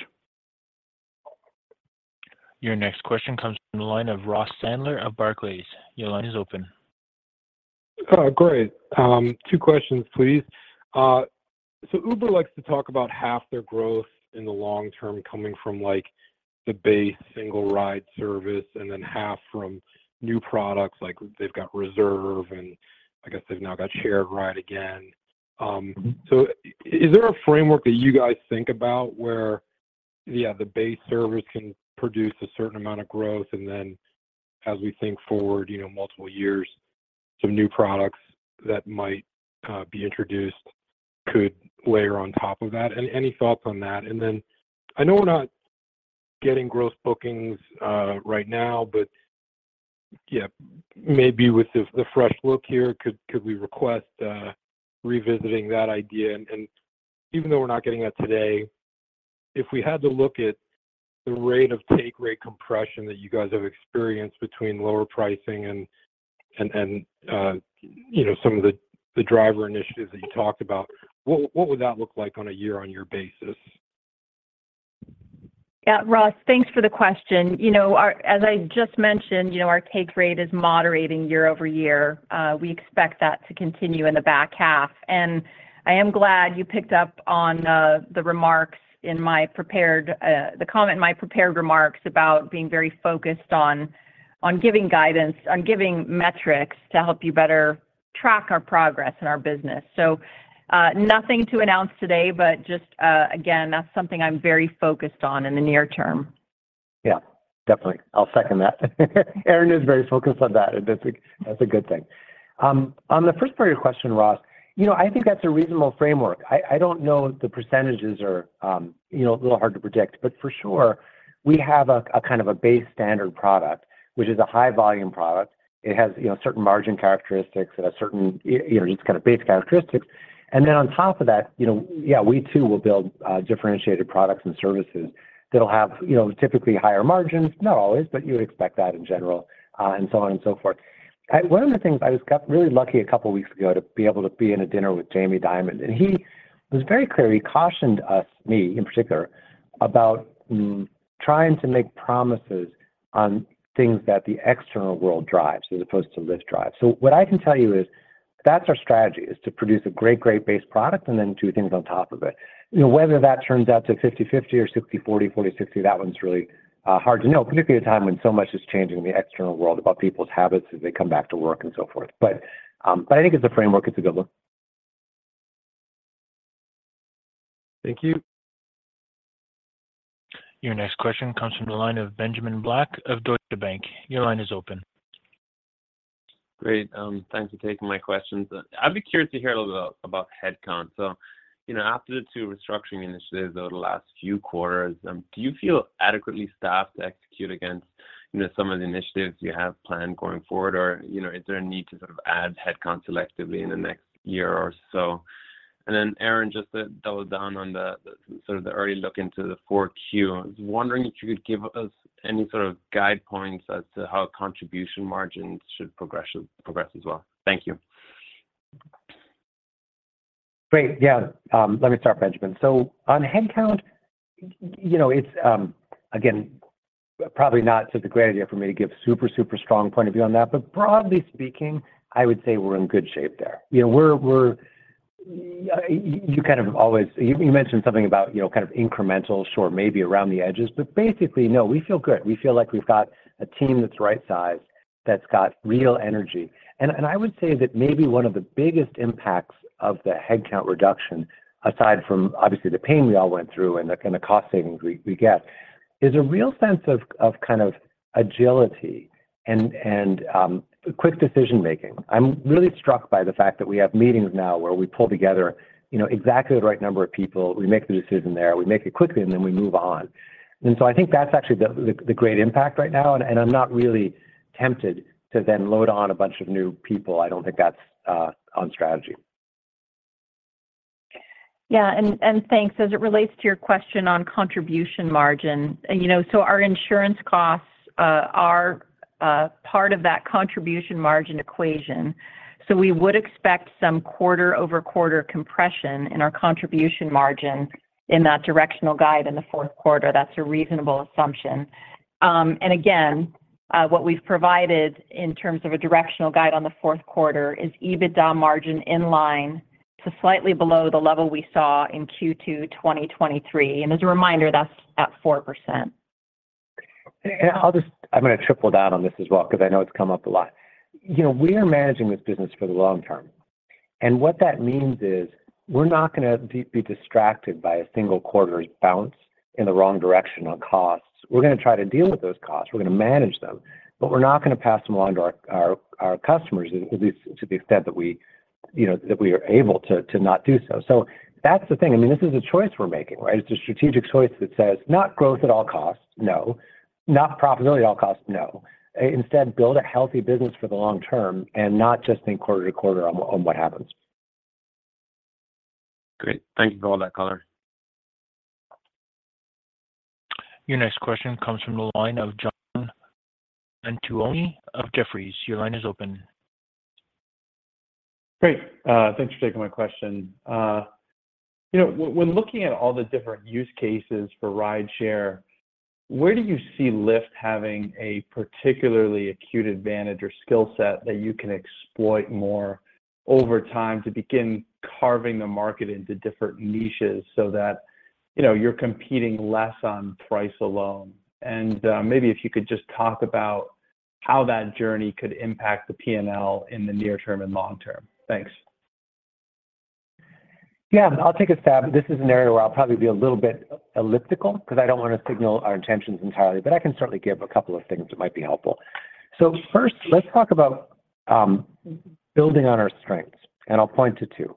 Your next question comes from the line of Ross Sandler of Barclays. Your line is open. Great. Two questions, please. Uber likes to talk about half their growth in the long term coming from, like, the base single ride service, and then half from new products, like they've got Reserve, and I guess they've now got Shared Ride again. Is there a framework that you guys think about where, yeah, the base service can produce a certain amount of growth, and then as we think forward, you know, multiple years, some new products that might be introduced could layer on top of that? Any thoughts on that? I know we're not getting Gross Bookings right now, but, yeah, maybe with the fresh look here, could we request revisiting that idea? Even though we're not getting that today, if we had to look at the rate of take rate compression that you guys have experienced between lower pricing and, and, and, you know, some of the, the driver initiatives that you talked about, what, what would that look like on a year-on-year basis? Yeah, Ross, thanks for the question. You know, our-- as I just mentioned, you know, our take rate is moderating year-over-year. We expect that to continue in the back half. I am glad you picked up on the remarks in my prepared, the comment in my prepared remarks about being very focused on, on giving guidance, on giving metrics to help you better track our progress in our business. Nothing to announce today, but just again, that's something I'm very focused on in the near term. Yeah, definitely. I'll second that. Erin is very focused on that, and that's a, that's a good thing. On the first part of your question, Ross, you know, I think that's a reasonable framework. I, I don't know the percentages are, you know, a little hard to predict, but for sure, we have a, a kind of a base standard product, which is a high volume product. It has, you know, certain margin characteristics and a certain, you know, just kind of base characteristics. Then on top of that, you know, yeah, we too will build differentiated products and services that'll have, you know, typically higher margins. Not always, but you would expect that in general, and so on and so forth. One of the things I was really lucky a couple of weeks ago to be able to be in a dinner with Jamie Dimon. He was very clear. He cautioned us, me in particular, about trying to make promises on things that the external world drives as opposed to Lyft drives. What I can tell you is, that's our strategy, is to produce a great, great base product and then do things on top of it. You know, whether that turns out to 50/50 or 60/40, 40/60, that one's really hard to know, particularly at a time when so much is changing in the external world about people's habits as they come back to work and so forth. I think as a framework, it's a good one. Thank you. Your next question comes from the line of Benjamin Black of Deutsche Bank. Your line is open. Great. Thanks for taking my questions. I'd be curious to hear a little bit about headcount. You know, after the two restructuring initiatives over the last few quarters, do you feel adequately staffed to execute against, you know, some of the initiatives you have planned going forward? Or, you know, is there a need to sort of add headcount selectively in the next year or so? Erin, just to double down on the, the sort of the early look into the 4Q, I was wondering if you could give us any sort of guide points as to how contribution margins should progress as well. Thank you. Great. Yeah, let me start, Benjamin. On headcount, you know, it's, again, probably not such a great idea for me to give super, super strong point of view on that. Broadly speaking, I would say we're in good shape there. You know, you mentioned something about, you know, kind of incremental, sure, maybe around the edges, but basically, no, we feel good. We feel like we've got a team that's right-sized, that's got real energy. I would say that maybe one of the biggest impacts of the headcount reduction, aside from obviously the pain we all went through and the, kind of cost savings we, we get, is a real sense of, of kind of agility and, and quick decision making. I'm really struck by the fact that we have meetings now where we pull together, you know, exactly the right number of people. We make the decision there, we make it quickly, and then we move on. So I think that's actually the, the, the great impact right now, and, and I'm not really tempted to then load on a bunch of new people. I don't think that's on strategy. Yeah, and, and thanks. As it relates to your question on contribution margin, and, you know, our insurance costs are part of that contribution margin equation. We would expect some quarter-over-quarter compression in our contribution margin in that directional guide in the Q4. That's a reasonable assumption. Again, what we've provided in terms of a directional guide on the Q4 is EBITDA margin in line to slightly below the level we saw in Q2 2023. As a reminder, that's at 4%. I'll just... I'm gonna triple down on this as well because I know it's come up a lot. You know, we are managing this business for the long term, and what that means is we're not gonna be distracted by a single quarter's bounce in the wrong direction on costs. We're gonna try to deal with those costs. We're gonna manage them. We're not gonna pass them on to our customers, at least to the extent that we, you know, that we are able to not do so. That's the thing. I mean, this is a choice we're making, right? It's a strategic choice that says, not growth at all costs, no. Not profitability at all costs, no. Instead, build a healthy business for the long term and not just think quarter-to-quarter on what happens. Great. Thank you for all that color. Your next question comes from the line of John Colantuoni of Jefferies. Your line is open. Great. Thanks for taking my question. You know, when looking at all the different use cases for Rideshare, where do you see Lyft having a particularly acute advantage or skill set that you can exploit more over time to begin carving the market into different niches so that, you know, you're competing less on price alone? Maybe if you could just talk about how that journey could impact the PNL in the near term and long term. Thanks. Yeah, I'll take a stab. This is an area where I'll probably be a little bit elliptical, because I don't want to signal our intentions entirely, but I can certainly give a couple of things that might be helpful. First, let's talk about building on our strengths, and I'll point to 2.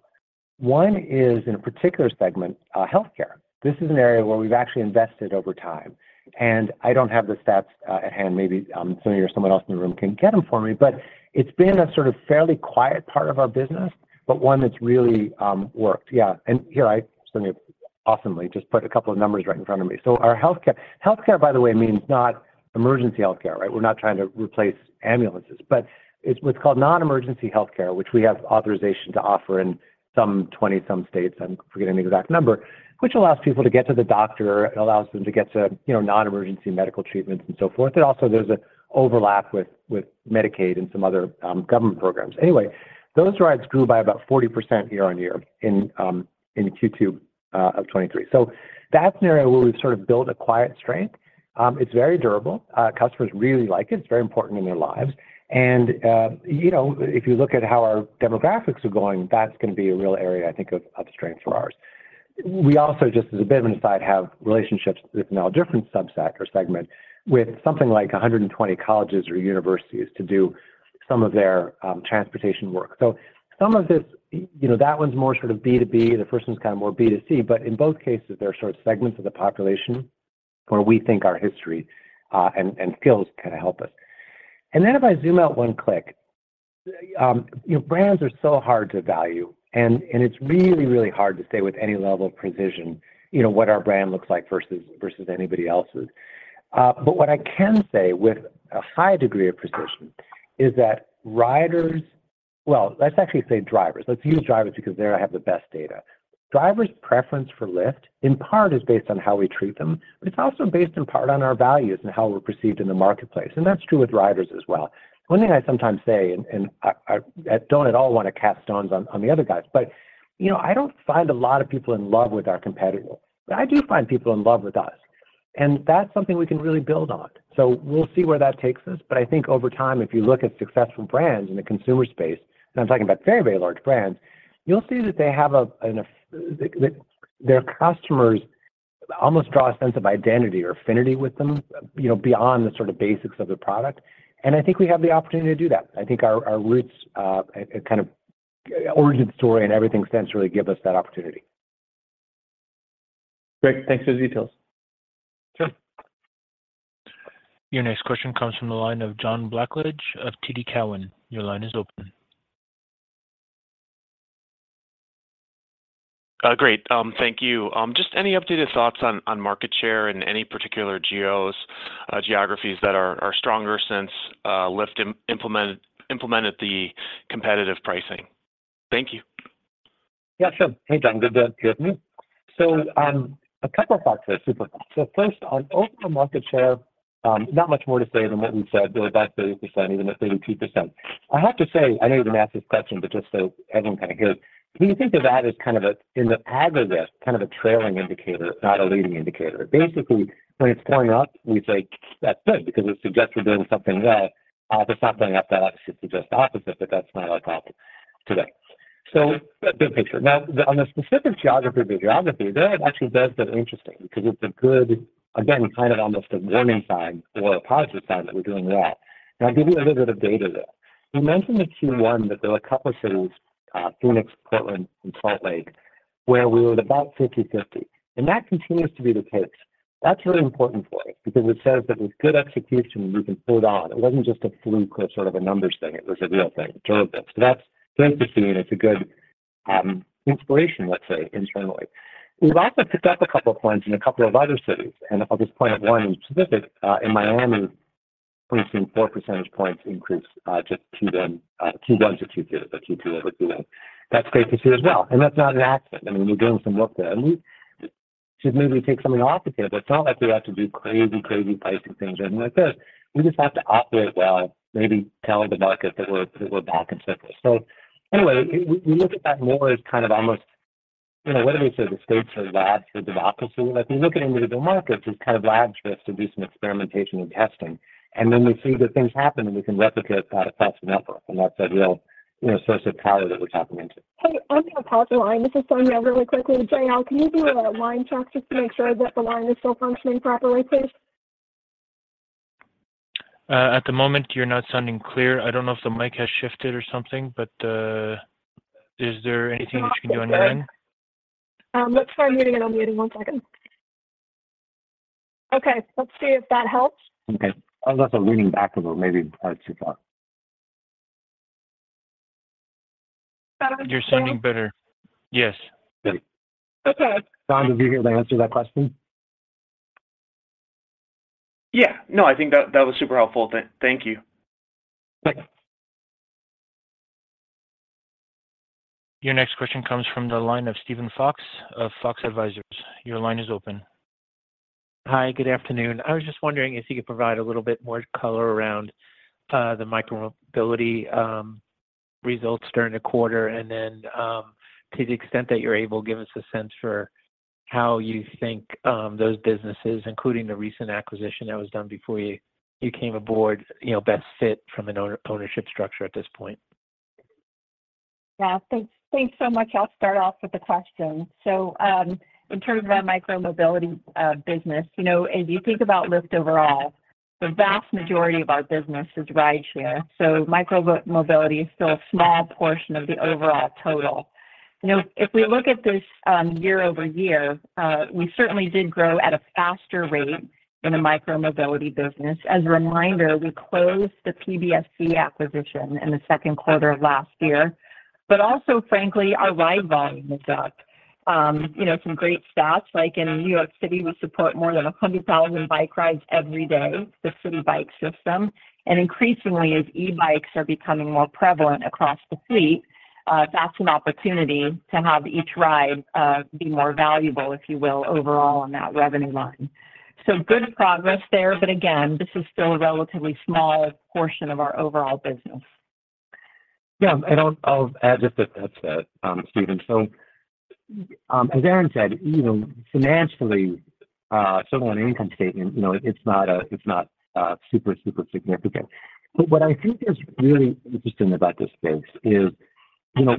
1 is in a particular segment, healthcare. This is an area where we've actually invested over time, and I don't have the stats at hand. Maybe, Sonny or someone else in the room can get them for me, but it's been a sort of fairly quiet part of our business, but one that's really worked. Yeah, here, Sonny awesomely just put a couple of numbers right in front of me. Our healthcare- healthcare, by the way, means not emergency healthcare, right? We're not trying to replace ambulances, but it's what's called non-emergency healthcare, which we have authorization to offer in some 20 some states, I'm forgetting the exact number, which allows people to get to the doctor, it allows them to get to, you know, non-emergency medical treatments and so forth. It also there's an overlap with, with Medicaid and some other government programs. Those rides grew by about 40% year-on-year in Q2 of 2023. That's an area where we've sort of built a quiet strength. It's very durable. Customers really like it. It's very important in their lives. You know, if you look at how our demographics are going, that's going to be a real area, I think, of, of strength for ours.... We also just as a business side, have relationships with now a different sub sector segment with something like 120 colleges or universities to do some of their transportation work. Some of this, you know, that one's more sort of B2B, the first one's kind of more B2C, but in both cases, there are sort of segments of the population where we think our history, and, and skills can help us. Then if I zoom out one click, you know, brands are so hard to value, and, and it's really, really hard to say with any level of precision, you know, what our brand looks like versus, versus anybody else's. What I can say with a high degree of precision is that riders- well, let's actually say drivers. Let's use drivers because there I have the best data. Drivers preference for Lyft, in part, is based on how we treat them, but it's also based in part on our values and how we're perceived in the marketplace, and that's true with riders as well. One thing I sometimes say, and I don't at all want to cast stones on the other guys, but, you know, I don't find a lot of people in love with our competitors. I do find people in love with us, and that's something we can really build on. We'll see where that takes us. I think over time, if you look at successful brands in the consumer space, and I'm talking about very, very large brands, you'll see that they have a... Their customers almost draw a sense of identity or affinity with them, you know, beyond the sort of basics of the product. I think we have the opportunity to do that. I think our, our roots, kind of origin story and everything centrally give us that opportunity. Great, thanks for the details. Sure. Your next question comes from the line of John Blackledge of TD Cowen. Your line is open. Great, thank you. Just any updated thoughts on market share in any particular geos, geographies that are stronger since Lyft implemented, implemented the competitive pricing? Thank you. Yeah, sure. Hey, John, good to hear from you. A couple of thoughts there, super fast. First, on overall market share, not much more to say than what we've said, we're about 30%, even at 32%. I have to say, I know you didn't ask this question, but just so everyone kind of hears, we think of that as kind of a, in the aggregate, kind of a trailing indicator, not a leading indicator. Basically, when it's going up, we say, "That's good, because it suggests we're doing something well." If it's not going up, that obviously suggests the opposite, but that's not our problem today. Big picture. Now, on the specific geography or geography, that actually does get interesting because it's a good, again, kind of almost a warning sign or a positive sign that we're doing well. I'll give you a little bit of data there. We mentioned in Q1 that there were a couple of cities, Phoenix, Portland, and Salt Lake, where we were at about 50/50, and that continues to be the case. That's really important for us because it says that with good execution, we can pull it on. It wasn't just a fluke or sort of a numbers thing, it was a real thing, drove it. That's interesting, and it's a good inspiration, let's say, internally. We've also picked up a couple of points in a couple of other cities, and I'll just point out 1 in specific. In Miami, we've seen 4 percentage points increase, just Q then, Q1 to Q2, but Q2 over Q1. That's great to see as well, and that's not an accident. I mean, we're doing some work there, and we just maybe take something off of here, but it's not like we have to do crazy, crazy pricing things or anything like this. We just have to operate well and maybe tell the market that we're, we're back in business. Anyway, we, we look at that more as kind of almost, you know, whether we say the states are labs for democracy. Like, we look at them as the markets, as kind of labs for us to do some experimentation and testing. Then we see that things happen, and we can replicate that across the network, and that's a real, you know, source of power that we're tapping into. Hey, I'm going to pause the line. This is Sonya, really quickly. JL, can you do a line check just to make sure that the line is still functioning properly, please? At the moment, you're not sounding clear. I don't know if the mic has shifted or something, but, is there anything you can do on your end? Let's try muting and unmuting, one second. Okay, let's see if that helps. Okay. I was also leaning back a little, maybe part too far. Better? You're sounding better. Yes. Okay. John, did you hear the answer to that question? Yeah. No, I think that, that was super helpful. Thank you. Thanks. Your next question comes from the line of Steven Fox, of Fox Advisors. Your line is open. Hi, good afternoon. I was just wondering if you could provide a little bit more color around the micromobility results during the quarter, and then, to the extent that you're able, give us a sense for how you think those businesses, including the recent acquisition that was done before you, you came aboard, you know, best fit from an ownership structure at this point. Yeah. Thanks, thanks so much. I'll start off with the question. In terms of our micromobility business, you know, as you think about Lyft overall, the vast majority of our business is rideshare, so micromobility is still a small portion of the overall total. You know, if we look at this year-over-year, we certainly did grow at a faster rate in the micromobility business. As a reminder, we closed the PBSC acquisition in the Q2 of last year, also, frankly, our ride volume is up. You know, some great stats, like in New York City, we support more than 100,000 bike rides every day, the Citi Bike system. Increasingly, as e-bikes are becoming more prevalent across the fleet, that's an opportunity to have each ride, be more valuable, if you will, overall on that revenue line. So good progress there, but again, this is still a relatively small portion of our overall business. I'll, I'll add just that, that, Stephen Ju. As Erin Brewer said, you know, financially-... so on an income statement, you know, it's not a, it's not super, super significant. What I think is really interesting about this space is, you know,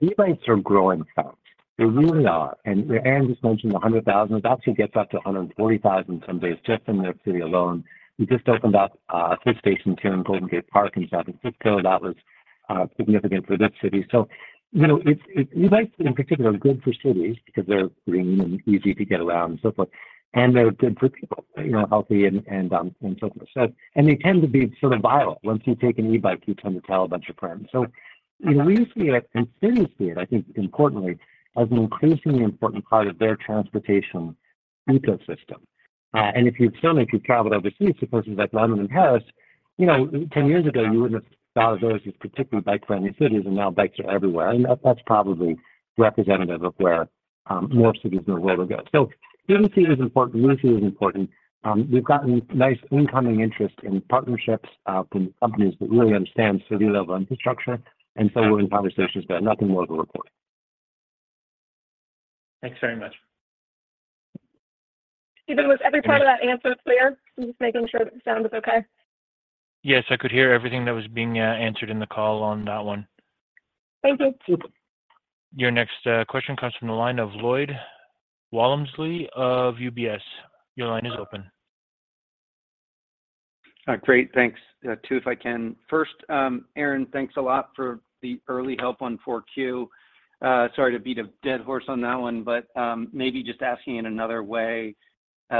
e-bikes are growing fast. They really are. Anne just mentioned 100,000. It actually gets up to 140,000 some days just in their city alone. We just opened up a fifth station here in Golden Gate Park in San Francisco. That was significant for this city. You know, it's e-bikes in particular are good for cities because they're green and easy to get around and so forth, and they're good for people, you know, healthy and, and so forth. They tend to be sort of viral. Once you take an e-bike, you tend to tell a bunch of friends. You know, we see it, and cities see it, I think importantly, as an increasingly important part of their transportation ecosystem. If you've... Certainly, if you've traveled overseas to places like London and Paris, you know, 10 years ago you wouldn't have thought of those as particularly bike-friendly cities, and now bikes are everywhere. That, that's probably representative of where more cities in the world will go. Density is important, lucidity is important. We've gotten nice incoming interest in partnerships from companies that really understand city-level infrastructure, we're in conversations, but nothing more to report. Thanks very much. Stephen, was every part of that answer clear? I'm just making sure that the sound was okay. Yes, I could hear everything that was being answered in the call on that one. Okay, super. Your next question comes from the line of Lloyd Walmsley of UBS. Your line is open. Great, thanks. 2, if I can. First, Erin, thanks a lot for the early help on 4Q. Sorry to beat a dead horse on that one, maybe just asking in another way,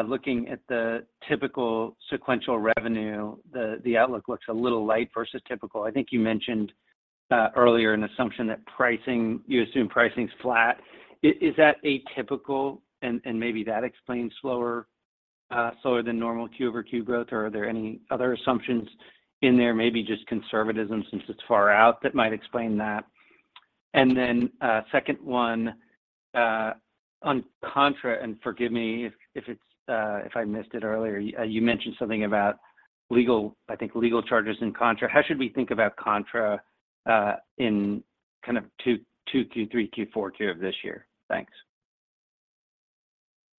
looking at the typical sequential revenue, the outlook looks a little light versus typical. I think you mentioned earlier an assumption that pricing- you assume pricing is flat. Is that atypical and maybe that explains slower, slower than normal Q-over-Q growth, or are there any other assumptions in there, maybe just conservatism since it's far out, that might explain that? Second one, on Contra, forgive me if it's if I missed it earlier, you mentioned something about legal, I think legal charges in Contra. How should we think about Contra, in kind of 2Q, Q3, Q4 of this year? Thanks.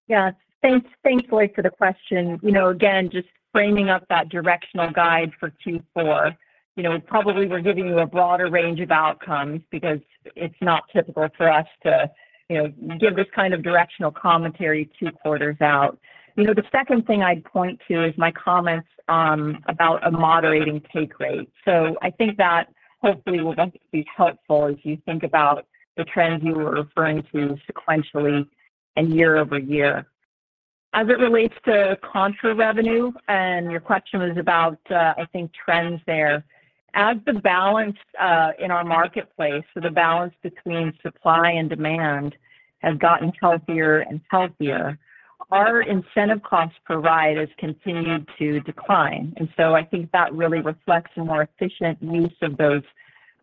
Yeah. Thanks, thanks, Lloyd, for the question. You know, again, just framing up that directional guide for Q4, you know, probably we're giving you a broader range of outcomes because it's not typical for us to, you know, give this kind of directional commentary two quarters out. You know, the second thing I'd point to is my comments about a moderating take rate. I think that hopefully will then be helpful as you think about the trends you were referring to sequentially and year-over-year. As it relates to Contra revenue, your question was about, I think trends there. The balance in our marketplace, so the balance between supply and demand has gotten healthier and healthier, our incentive costs per ride has continued to decline. I think that really reflects a more efficient use of those,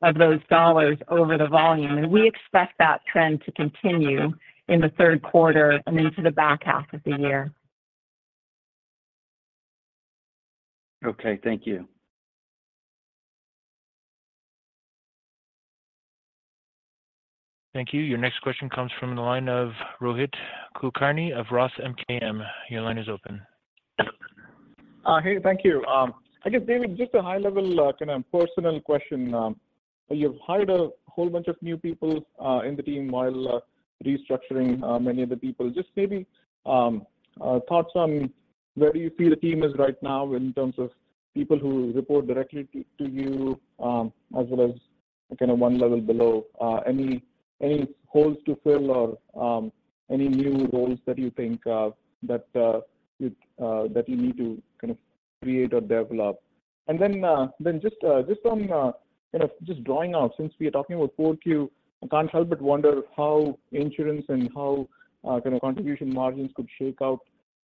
of those dollars over the volume, and we expect that trend to continue in the Q3 and into the back half of the year. Okay, thank you. Thank you. Your next question comes from the line of Rohit Kulkarni of Roth MKM. Your line is open. Hey, thank you. I guess, David, just a high-level, kind of personal question. You've hired a whole bunch of new people in the team while restructuring many of the people. Just maybe, thoughts on where do you feel the team is right now in terms of people who report directly to, to you, as well as kind of one level below? Any, any holes to fill or any new roles that you think of that you need to kind of create or develop? Then just, just on, kind of just drawing out, since we are talking about 4 Q, I can't help but wonder how insurance and how, kind of contribution margins could shake out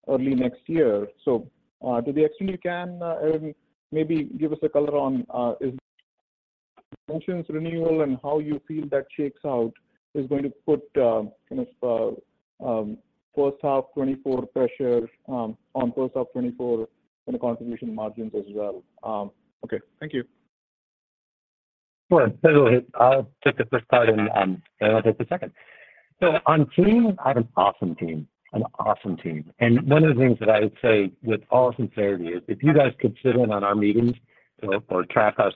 early next year. To the extent you can, maybe give us a color on, is insurance renewal and how you feel that shakes out, is going to put kind of first half 2024 pressure on first half 2024 in the contribution margins as well. Okay. Thank you. Sure. I'll take the first part and then I'll take the second. On team, I have an awesome team, an awesome team. One of the things that I would say with all sincerity is, if you guys could sit in on our meetings or, or track our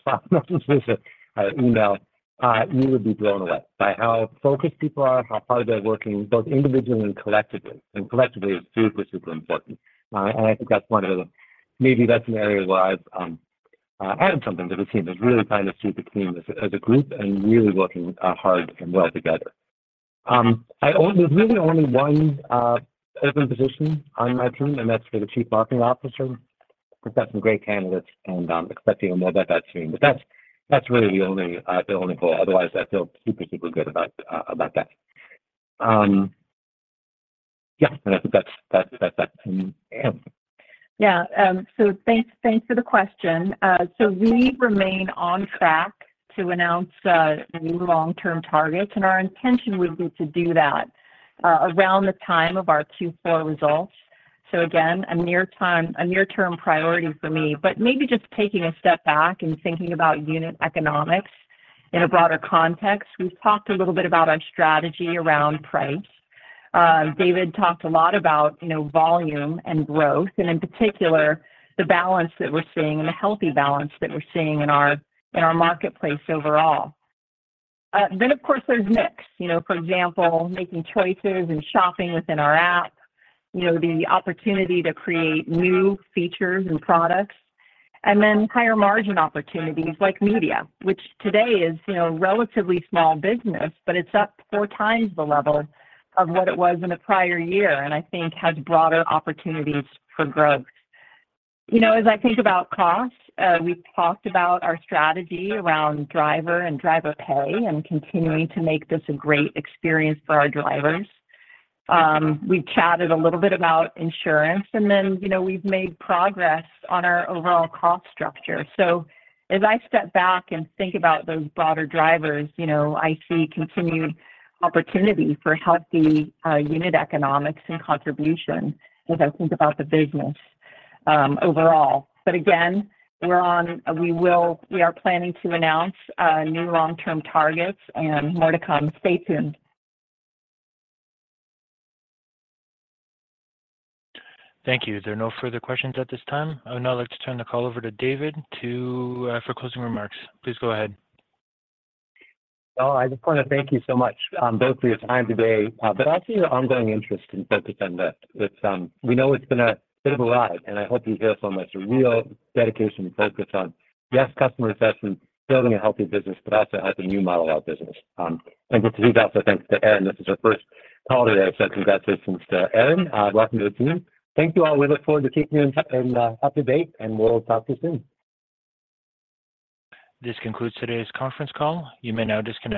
email, you would be blown away by how focused people are, how hard they're working, both individually and collectively, and collectively is super, super important. And I think that's one of the... Maybe that's an area where I've added something to the team. There's really kind of a super team as, as a group and really working hard and well together. There's really only one open position on my team, and that's for the Chief Marketing Officer. We've got some great candidates and expecting more about that soon. That's, that's really the only, the only goal. Otherwise, I feel super, super good about, about that. Yeah, I think that's, that's, that's that. Yeah, thanks, thanks for the question. We remain on track to announce new long-term targets, and our intention would be to do that around the time of our Q4 results. Again, a near-time, a near-term priority for me. Maybe just taking a step back and thinking about unit economics. In a broader context, we've talked a little bit about our strategy around price. David talked a lot about, you know, volume and growth, and in particular, the balance that we're seeing and the healthy balance that we're seeing in our, in our marketplace overall. Of course, there's mix. You know, for example, making choices and shopping within our app, you know, the opportunity to create new features and products, and then higher margin opportunities like Media, which today is, you know, relatively small business, but it's up 4 times the level of what it was in the prior year, and I think has broader opportunities for growth. You know, as I think about costs, we've talked about our strategy around driver and driver pay and continuing to make this a great experience for our drivers. We've chatted a little bit about insurance, and then, you know, we've made progress on our overall cost structure. As I step back and think about those broader drivers, you know, I see continued opportunity for healthy unit economics and contribution as I think about the business overall. again, We are planning to announce new long-term targets and more to come. Stay tuned. Thank you. There are no further questions at this time. I would now like to turn the call over to David for closing remarks. Please go ahead. Oh, I just want to thank you so much, both for your time today, but also your ongoing interest and focus on this. It's, we know it's been a bit of a ride, and I hope you hear from us a real dedication and focus on, yes, customer obsession, building a healthy business, but also as a new model of our business. Just to leave also, thanks to Erin. This is her first call today, I've said, since we got this. Erin, welcome to the team. Thank you, all. We look forward to keeping you in touch and up to date. We'll talk to you soon. This concludes today's conference call. You may now disconnect.